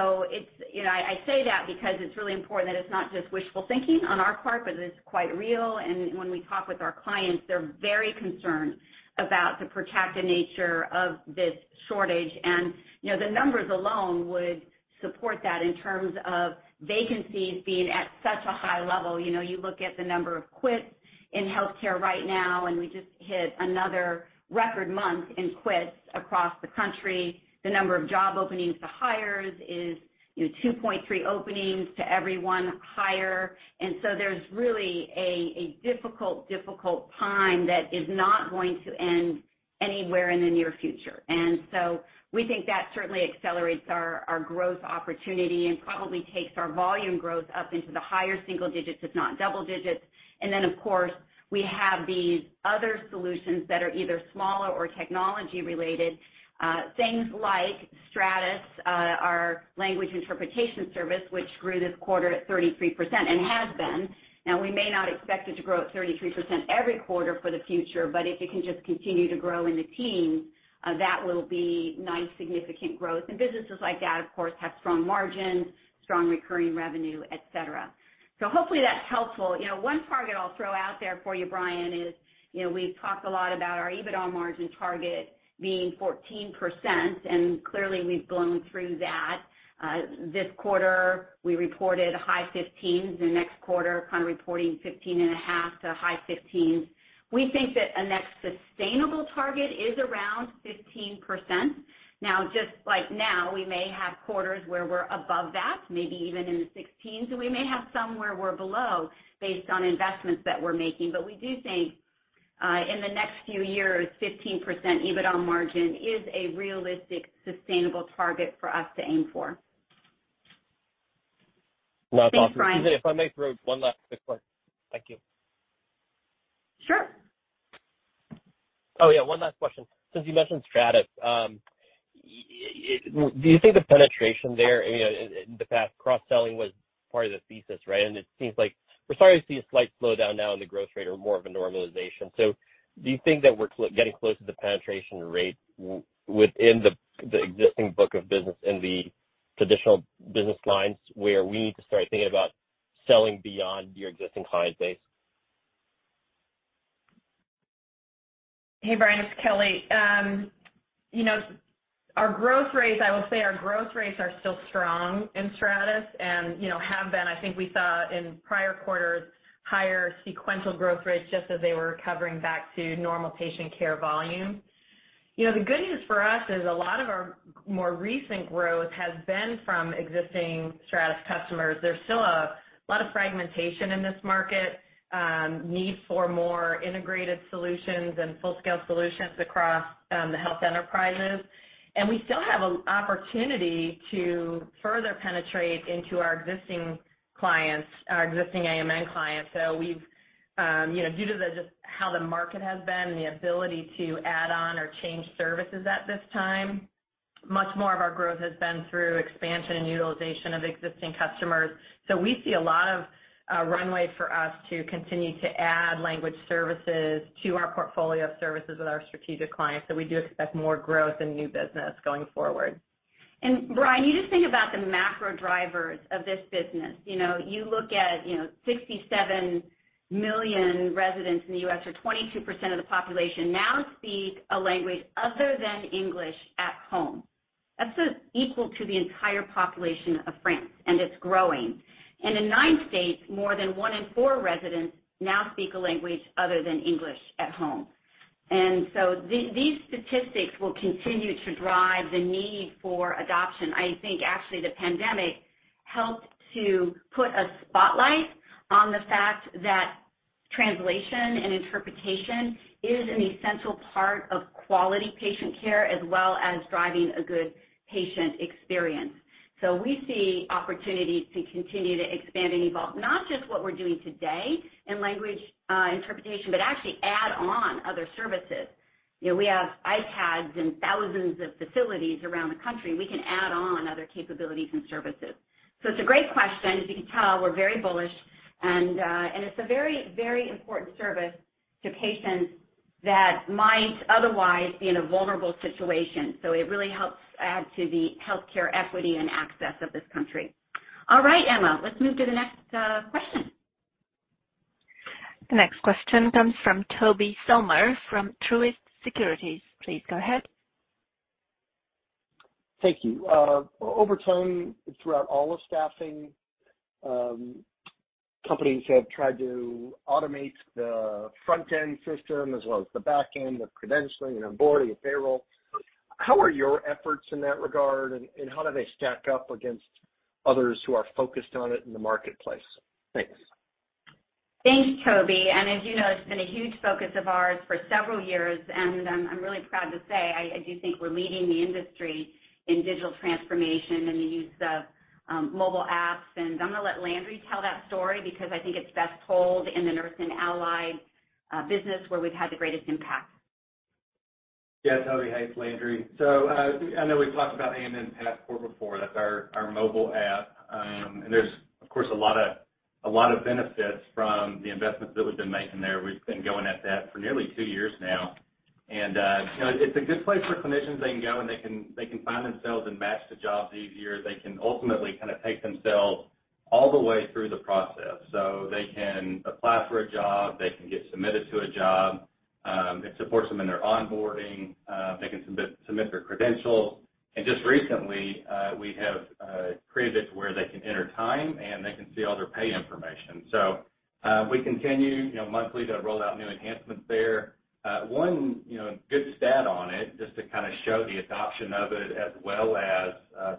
know, I say that because it's really important that it's not just wishful thinking on our part, but it is quite real. When we talk with our clients, they're very concerned about the protracted nature of this shortage. You know, the numbers alone would support that in terms of vacancies being at such a high level. You know, you look at the number of quits in healthcare right now, and we just hit another record month in quits across the country. The number of job openings to hires is, you know, 2.3 openings to every one hire. There's really a difficult time that is not going to end anywhere in the near future. We think that certainly accelerates our growth opportunity and probably takes our volume growth up into the higher single digits, if not double digits. Then, of course, we have these other solutions that are either smaller or technology related, things like Stratus, our language interpretation service, which grew this quarter at 33% and has been. Now, we may not expect it to grow at 33% every quarter for the future, but if it can just continue to grow in the teens, that will be nice, significant growth. Businesses like that, of course, have strong margins, strong recurring revenue, et cetera. Hopefully that's helpful. You know, one target I'll throw out there for you, Brian, is, you know, we've talked a lot about our EBITDA margin target being 14%, and clearly we've blown through that. This quarter, we reported high 15s. The next quarter we're kind of reporting 15.5%-high 15s. We think that the next sustainable target is around 15%. Now, just like now, we may have quarters where we're above that, maybe even in the 16s, and we may have some where we're below based on investments that we're making. We do think, in the next few years, 15% EBITDA margin is a realistic, sustainable target for us to aim for. That's awesome. Thanks, Brian. Susan, if I may throw one last quick one. Thank you. Sure. Oh, yeah, one last question. Since you mentioned Stratus, do you think the penetration there, you know, in the past, cross-selling was part of the thesis, right? It seems like we're starting to see a slight slowdown now in the growth rate or more of a normalization. Do you think that we're getting close to the penetration rate within the existing book of business in the traditional business lines where we need to start thinking about selling beyond your existing client base? Hey, Brian, it's Kelly. You know, our growth rates, I will say, are still strong in Stratus and, you know, have been. I think we saw in prior quarters higher sequential growth rates just as they were recovering back to normal patient care volume. You know, the good news for us is a lot of our more recent growth has been from existing Stratus customers. There's still a lot of fragmentation in this market, need for more integrated solutions and full-scale solutions across, the health enterprises. We still have an opportunity to further penetrate into our existing clients, our existing AMN clients. We've, you know, due to just how the market has been and the ability to add on or change services at this time, much more of our growth has been through expansion and utilization of existing customers. We see a lot of runway for us to continue to add language services to our portfolio of services with our strategic clients. We do expect more growth in new business going forward. Brian, you just think about the macro drivers of this business. You know, you look at, you know, 67 million residents in the U.S., or 22% of the population now speak a language other than English at home. That's just equal to the entire population of France, and it's growing. In nine states, more than one in four residents now speak a language other than English at home. These statistics will continue to drive the need for adoption. I think actually the pandemic helped to put a spotlight on the fact that translation and interpretation is an essential part of quality patient care as well as driving a good patient experience. We see opportunities to continue to expand and evolve, not just what we're doing today in language interpretation, but actually add on other services. You know, we have iPads in thousands of facilities around the country. We can add on other capabilities and services. It's a great question. As you can tell, we're very bullish and it's a very, very important service to patients that might otherwise be in a vulnerable situation. It really helps add to the healthcare equity and access of this country. All right, Emma, let's move to the next question. The next question comes from Tobey Sommer from Truist Securities. Please go ahead. Thank you. Over time, throughout all of staffing companies have tried to automate the front-end system as well as the back end, the credentialing and onboarding and payroll. How are your efforts in that regard, and how do they stack up against others who are focused on it in the marketplace? Thanks. Thanks, Tobey. As you know, it's been a huge focus of ours for several years, and I'm really proud to say I do think we're leading the industry in digital transformation and the use of mobile apps. I'm gonna let Landry tell that story because I think it's best told in the Nursing and Allied business where we've had the greatest impact. Yeah, Tobey. Hey, it's Landry. I know we've talked about AMN Passport before. That's our mobile app. There's, of course, a lot of benefits from the investments that we've been making there. We've been going at that for nearly two years now. You know, it's a good place for clinicians. They can go, and they can find themselves and match the jobs easier. They can ultimately kinda take themselves all the way through the process. They can apply for a job, they can get submitted to a job, it supports them in their onboarding, they can submit their credentials. Just recently, we have created it to where they can enter time, and they can see all their pay information. We continue, you know, monthly to roll out new enhancements there. One, you know, good stat on it, just to kinda show the adoption of it as well as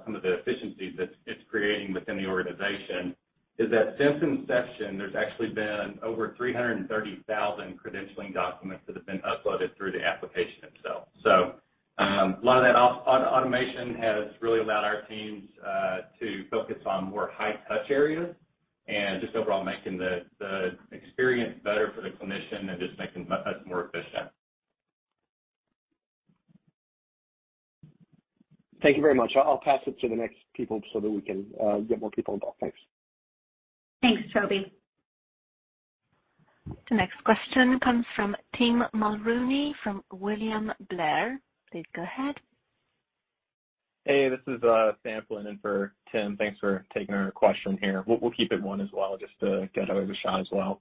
some of the efficiencies that it's creating within the organization, is that since inception, there's actually been over 330,000 credentialing documents that have been uploaded through the application itself. A lot of that automation has really allowed our teams to focus on more high-touch areas and just overall making the experience better for the clinician and just making us more efficient. Thank you very much. I'll pass it to the next people so that we can get more people involved. Thanks. Thanks, Tobey. The next question comes from Tim Mulrooney from William Blair. Please go ahead. Hey, this is Sam filling in for Tim. Thanks for taking our question here. We'll keep it one as well just to get others a shot as well.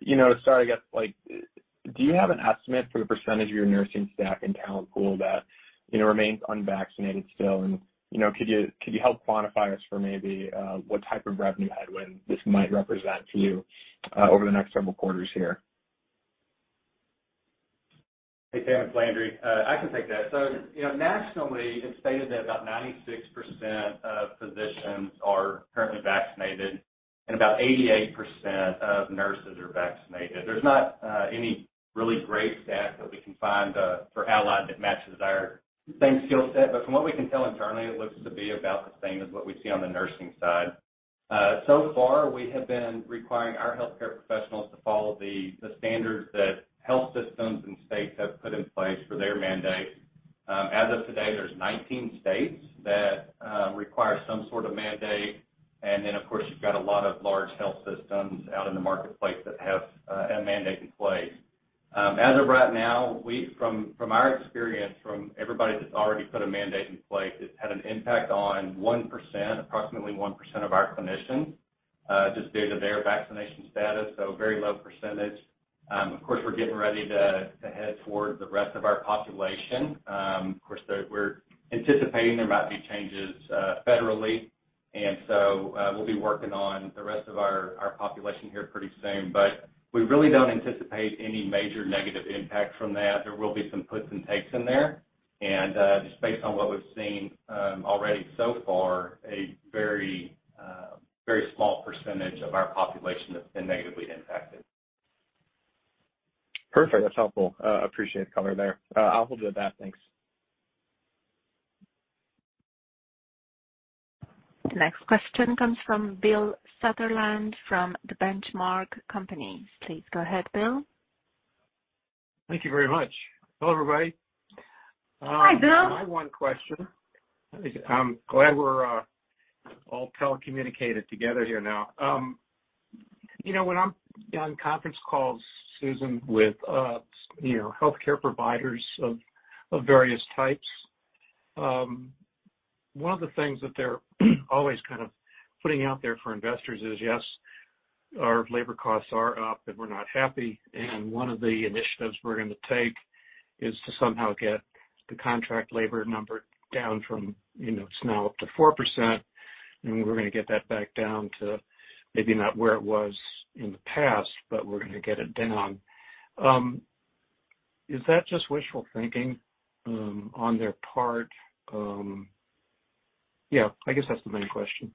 You know, to start, I guess, like, do you have an estimate for the percentage of your nursing staff and talent pool that, you know, remains unvaccinated still? And, you know, could you help quantify for us maybe what type of revenue headwind this might represent to you over the next several quarters here? Hey, Sam. It's Landry. I can take that. You know, nationally, it's stated that about 96% of physicians are currently vaccinated, and about 88% of nurses are vaccinated. There's not any really great stats that we can find for Allied that matches our same skill set. From what we can tell internally, it looks to be about the same as what we see on the nursing side. So far, we have been requiring our healthcare professionals to follow the standards that health systems and states have put in place for their mandates. As of today, there's 19 states that require some sort of mandate. Then, of course, you've got a lot of large health systems out in the marketplace that have a mandate in place. As of right now, from our experience, from everybody that's already put a mandate in place, it's had an impact on 1%, approximately 1% of our clinicians, just due to their vaccination status, so very low percentage. Of course, we're getting ready to head toward the rest of our population. Of course, we're anticipating there might be changes federally. We'll be working on the rest of our population here pretty soon. We really don't anticipate any major negative impact from that. There will be some puts and takes in there. Just based on what we've seen already so far, a very small percentage of our population has been negatively impacted. Perfect. That's helpful. Appreciate the color there. I'll hold with that. Thanks. The next question comes from Bill Sutherland from The Benchmark Company. Please go ahead, Bill. Thank you very much. Hello, everybody. Hi, Bill. I have one question. I'm glad we're all telecommunicated together here now. You know, when I'm on conference calls, Susan, with you know, healthcare providers of various types, one of the things that they're always kind of putting out there for investors is, yes, our labor costs are up, and we're not happy, and one of the initiatives we're gonna take is to somehow get the contract labor number down from, you know, it's now up to 4%, and we're gonna get that back down to maybe not where it was in the past, but we're gonna get it down. Is that just wishful thinking on their part? Yeah, I guess that's the main question.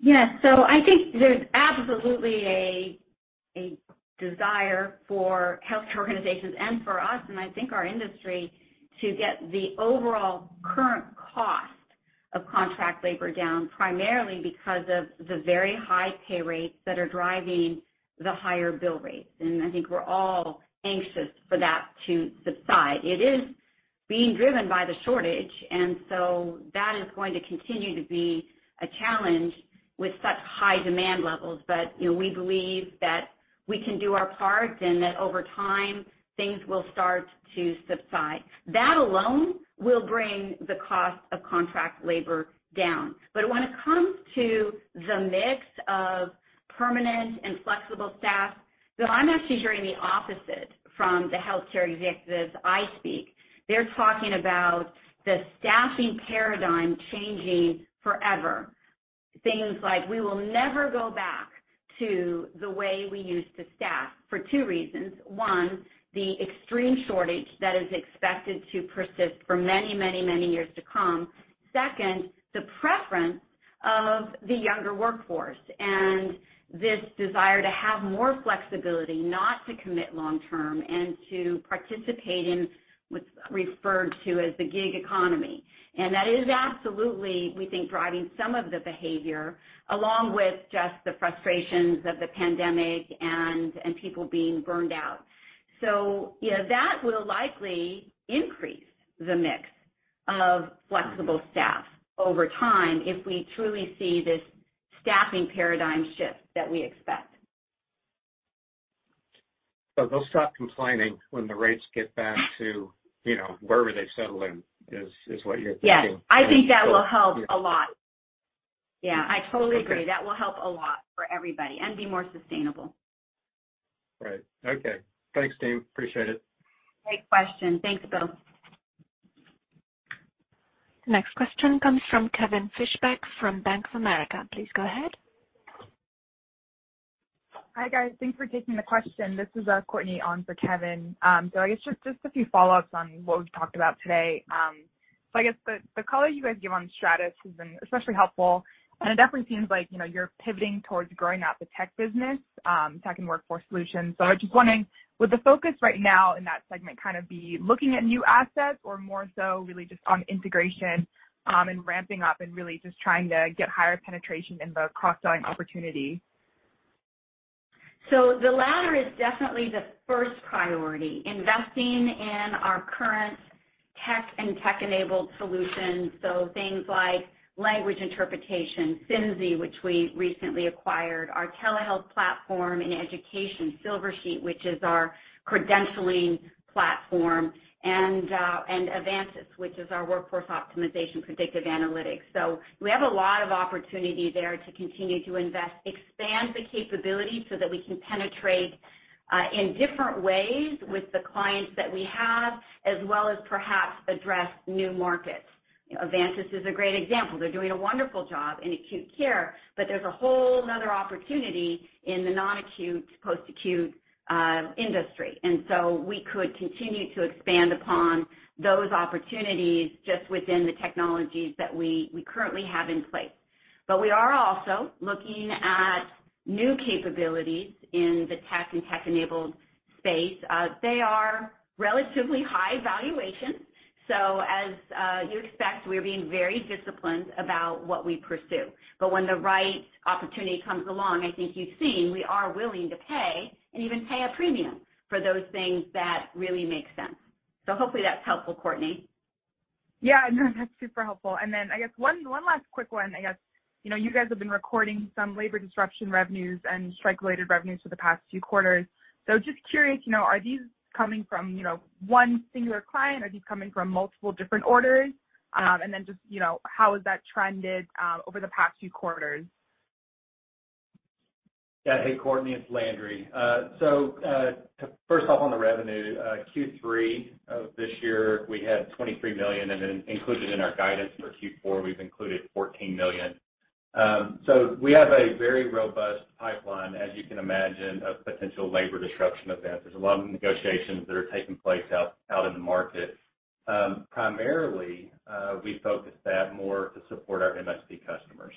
Yeah. I think there's absolutely a desire for healthcare organizations and for us and I think our industry to get the overall current cost of contract labor down, primarily because of the very high pay rates that are driving the higher bill rates. I think we're all anxious for that to subside. It is being driven by the shortage, and so that is going to continue to be a challenge with such high demand levels. You know, we believe that we can do our part and that over time, things will start to subside. That alone will bring the cost of contract labor down. When it comes to the mix of permanent and flexible staff, so I'm actually hearing the opposite from the healthcare executives I speak. They're talking about the staffing paradigm changing forever. Things like, "We will never go back to the way we used to staff," for two reasons. One, the extreme shortage that is expected to persist for many, many, many years to come. Second, the preference of the younger workforce, and this desire to have more flexibility not to commit long term and to participate in what's referred to as the gig economy. That is absolutely, we think, driving some of the behavior, along with just the frustrations of the pandemic and people being burned out. Yeah, that will likely increase the mix of flexible staff over time if we truly see this staffing paradigm shift that we expect. They'll stop complaining when the rates get back to, you know, wherever they settle in, is what you're thinking. Yeah. I think that will help a lot. Yeah, I totally agree. That will help a lot for everybody and be more sustainable. Right. Okay. Thanks, team. Appreciate it. Great question. Thanks, Bill. Next question comes from Kevin Fischbeck from Bank of America. Please go ahead. Hi, guys. Thanks for taking the question. This is, Courtney on for Kevin. I guess just a few follow-ups on what we've talked about today. I guess the color you guys give on Stratus has been especially helpful, and it definitely seems like, you know, you're pivoting towards growing out the tech business, tech and workforce solutions. I was just wondering, would the focus right now in that segment kind of be looking at new assets or more so really just on integration, and ramping up and really just trying to get higher penetration in the cross-selling opportunity? The latter is definitely the first priority, investing in our current tech and tech-enabled solutions, so things like language interpretation, Synzi, which we recently acquired, our telehealth platform in education, Silversheet, which is our credentialing platform, and Avantas, which is our workforce optimization predictive analytics. We have a lot of opportunity there to continue to invest, expand the capability so that we can penetrate in different ways with the clients that we have, as well as perhaps address new markets. You know, Avantas is a great example. They're doing a wonderful job in acute care, but there's a whole another opportunity in the non-acute, post-acute industry. We could continue to expand upon those opportunities just within the technologies that we currently have in place. We are also looking at new capabilities in the tech and tech-enabled space. They are relatively high valuation. As you expect, we're being very disciplined about what we pursue. When the right opportunity comes along, I think you've seen, we are willing to pay and even pay a premium for those things that really make sense. Hopefully that's helpful, Courtney. Yeah, no, that's super helpful. I guess one last quick one. I guess, you know, you guys have been recording some labor disruption revenues and strike-related revenues for the past few quarters. Just curious, you know, are these coming from, you know, one singular client? Are these coming from multiple different orders? And then just, you know, how has that trended over the past few quarters? Yeah. Hey, Courtney, it's Landry. First off, on the revenue, Q3 of this year, we had $23 million, and then included in our guidance for Q4, we've included $14 million. We have a very robust pipeline, as you can imagine, of potential labor disruption events. There's a lot of negotiations that are taking place out in the market. Primarily, we focus on that more to support our MSP customers.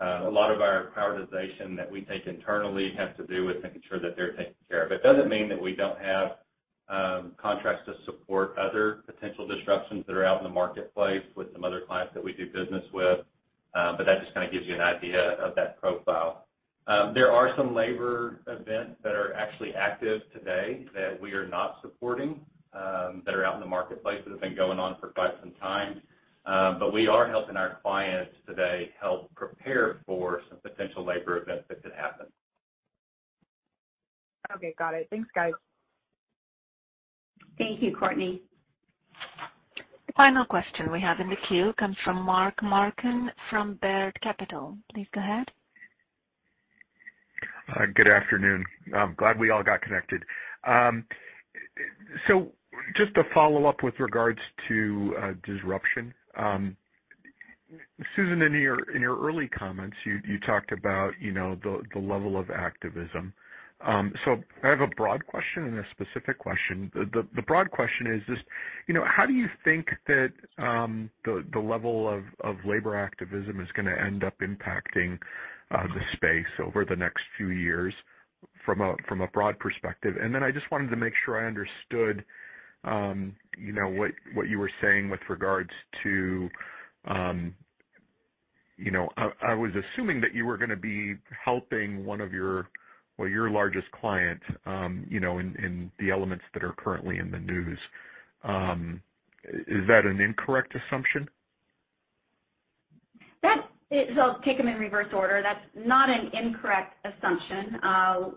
A lot of our prioritization that we take internally has to do with making sure that they're taken care of. It doesn't mean that we don't have contracts to support other potential disruptions that are out in the marketplace with some other clients that we do business with, but that just kinda gives you an idea of that profile. There are some labor events that are actually active today that we are not supporting, that are out in the marketplace that have been going on for quite some time. We are helping our clients today help prepare for some potential labor events that could happen. Okay, got it. Thanks, guys. Thank you, Courtney. The final question we have in the queue comes from Mark Marcon from Baird. Please go ahead. Good afternoon. I'm glad we all got connected. Just to follow up with regards to disruption, Susan, in your early comments, you talked about, you know, the level of activism. I have a broad question and a specific question. The broad question is just, you know, how do you think that the level of labor activism is gonna end up impacting the space over the next few years from a broad perspective? I just wanted to make sure I understood, you know, what you were saying with regards to you know, I was assuming that you were gonna be helping one of your. Well, your largest client, you know, in the elements that are currently in the news. Is that an incorrect assumption? I'll take them in reverse order. That's not an incorrect assumption.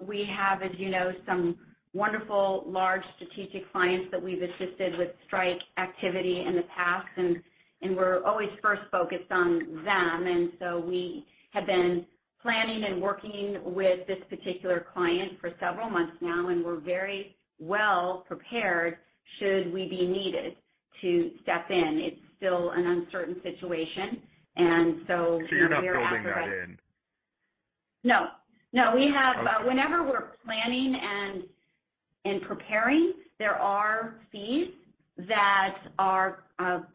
We have, as you know, some wonderful large strategic clients that we've assisted with strike activity in the past, and we're always first focused on them. We have been planning and working with this particular client for several months now, and we're very well prepared should we be needed to step in. It's still an uncertain situation. We are- You're not building that in. No, we have, whenever we're planning and preparing, there are fees that are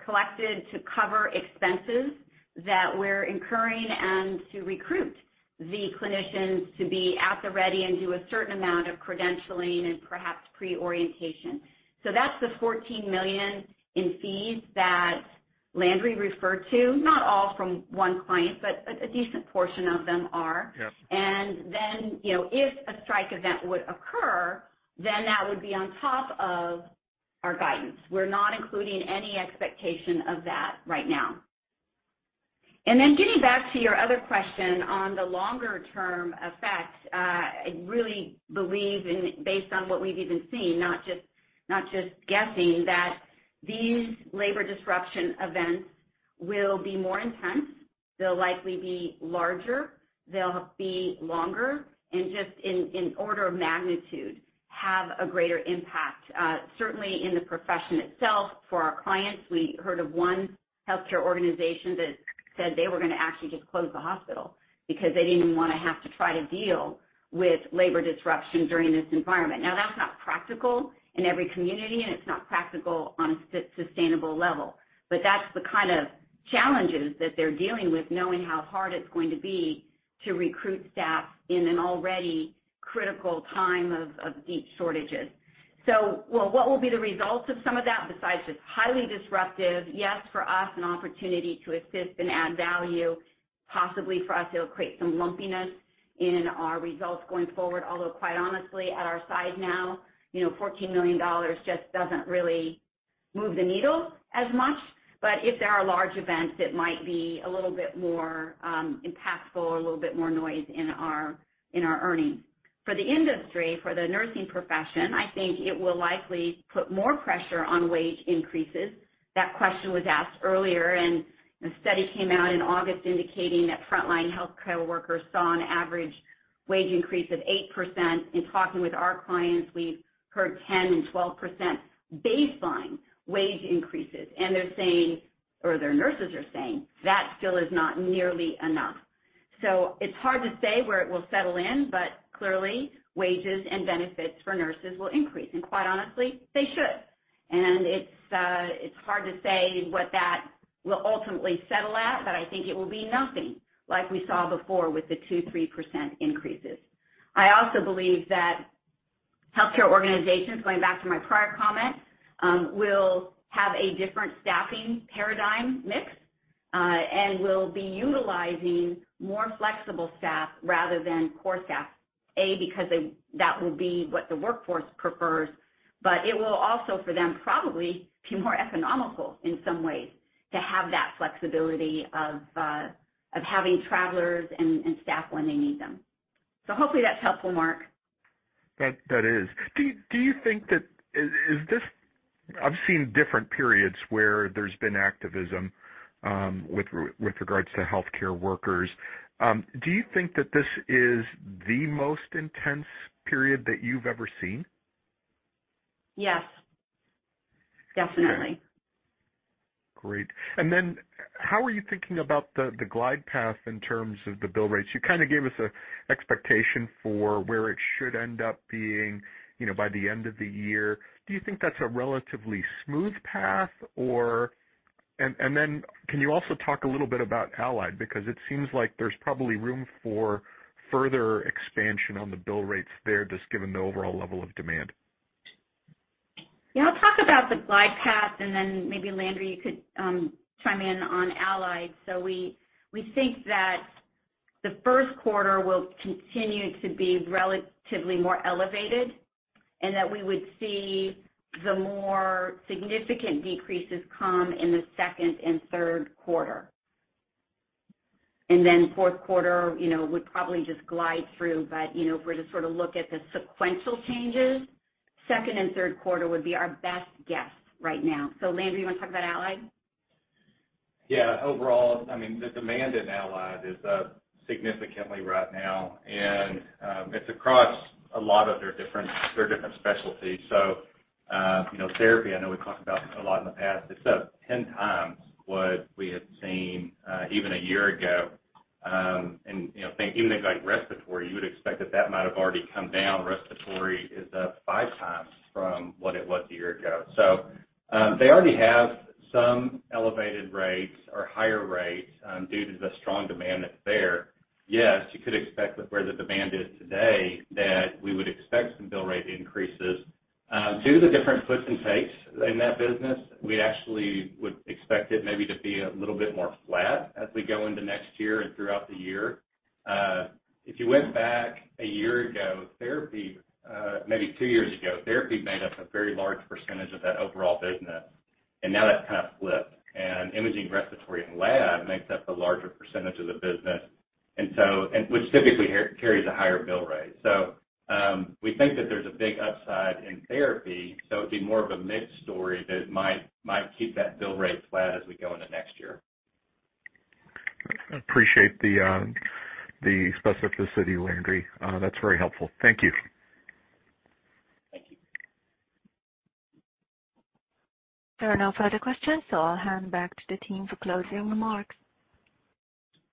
collected to cover expenses that we're incurring and to recruit the clinicians to be at the ready and do a certain amount of credentialing and perhaps pre-orientation. That's the $14 million in fees that Landry referred to, not all from one client, but a decent portion of them are. Yes. Then, you know, if a strike event would occur, that would be on top of our guidance. We're not including any expectation of that right now. Getting back to your other question on the longer-term effect, I really believe and based on what we've even seen, not just guessing that these labor disruption events will be more intense, they'll likely be larger, they'll be longer, and just in order of magnitude, have a greater impact, certainly in the profession itself. For our clients, we heard of one healthcare organization that said they were gonna actually just close the hospital because they didn't even wanna have to try to deal with labor disruption during this environment. Now, that's not practical in every community, and it's not practical on a sustainable level. That's the kind of challenges that they're dealing with, knowing how hard it's going to be to recruit staff in an already critical time of deep shortages. Well, what will be the results of some of that besides just highly disruptive? Yes, for us, an opportunity to assist and add value. Possibly for us, it'll create some lumpiness in our results going forward, although quite honestly, at our size now, you know, $14 million just doesn't really move the needle as much. If there are large events, it might be a little bit more impactful or a little bit more noise in our earnings. For the industry, for the nursing profession, I think it will likely put more pressure on wage increases. That question was asked earlier, and a study came out in August indicating that frontline healthcare workers saw an average wage increase of 8%. In talking with our clients, we've heard 10% and 12% baseline wage increases. They're saying, or their nurses are saying, that still is not nearly enough. It's hard to say where it will settle in, but clearly, wages and benefits for nurses will increase. Quite honestly, they should. It's hard to say what that will ultimately settle at, but I think it will be nothing like we saw before with the 2%-3% increases. I also believe that healthcare organizations, going back to my prior comment, will have a different staffing paradigm mix, and will be utilizing more flexible staff rather than core staff. Because that will be what the workforce prefers, but it will also for them probably be more economical in some ways to have that flexibility of having travelers and staff when they need them. Hopefully that's helpful, Mark. That is. Do you think this is? I've seen different periods where there's been activism with regards to healthcare workers. Do you think that this is the most intense period that you've ever seen? Yes. Definitely. Great. How are you thinking about the glide path in terms of the bill rates? You kinda gave us a expectation for where it should end up being, you know, by the end of the year. Do you think that's a relatively smooth path? Can you also talk a little bit about Allied? Because it seems like there's probably room for further expansion on the bill rates there, just given the overall level of demand. Yeah, I'll talk about the glide path and then maybe Landry, you could chime in on Allied. So we think that the first quarter will continue to be relatively more elevated and that we would see the more significant decreases come in the second and third quarter. Then fourth quarter, you know, would probably just glide through. You know, if we're to sort of look at the sequential changes, second and third quarter would be our best guess right now. So Landry, you wanna talk about Allied? Yeah. Overall, I mean, the demand in Allied is up significantly right now, and it's across a lot of their different specialties. You know, therapy, I know we've talked about a lot in the past. It's up 10 times what we had seen even a year ago. You know, think even in like respiratory, you would expect that it might have already come down. Respiratory is up 5 times from what it was a year ago. They already have some elevated rates or higher rates due to the strong demand that's there. Yes, you could expect with where the demand is today that we would expect some bill rate increases. Due to the different puts and takes in that business, we actually would expect it maybe to be a little bit more flat as we go into next year and throughout the year. If you went back a year ago, therapy, maybe two years ago, therapy made up a very large percentage of that overall business, and now that's kind of flipped. Imaging, respiratory, and lab makes up the larger percentage of the business, and which typically carries a higher bill rate. We think that there's a big upside in therapy, so it'd be more of a mixed story that might keep that bill rate flat as we go into next year. Appreciate the specificity, Landry. That's very helpful. Thank you. Thank you. There are no further questions, so I'll hand back to the team for closing remarks.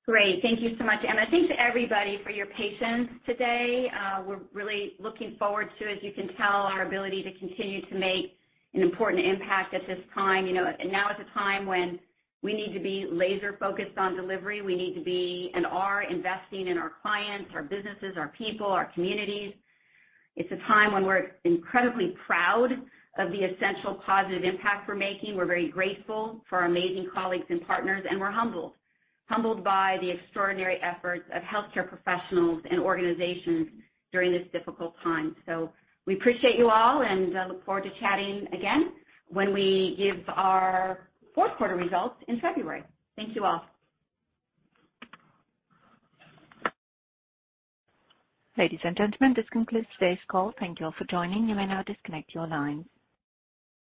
Great. Thank you so much, Emma. Thanks to everybody for your patience today. We're really looking forward to, as you can tell, our ability to continue to make an important impact at this time. You know, and now is a time when we need to be laser-focused on delivery. We need to be, and are, investing in our clients, our businesses, our people, our communities. It's a time when we're incredibly proud of the essential positive impact we're making. We're very grateful for our amazing colleagues and partners, and we're humbled by the extraordinary efforts of healthcare professionals and organizations during this difficult time. We appreciate you all and look forward to chatting again when we give our fourth quarter results in February. Thank you all. Ladies and gentlemen, this concludes today's call. Thank you all for joining. You may now disconnect your lines.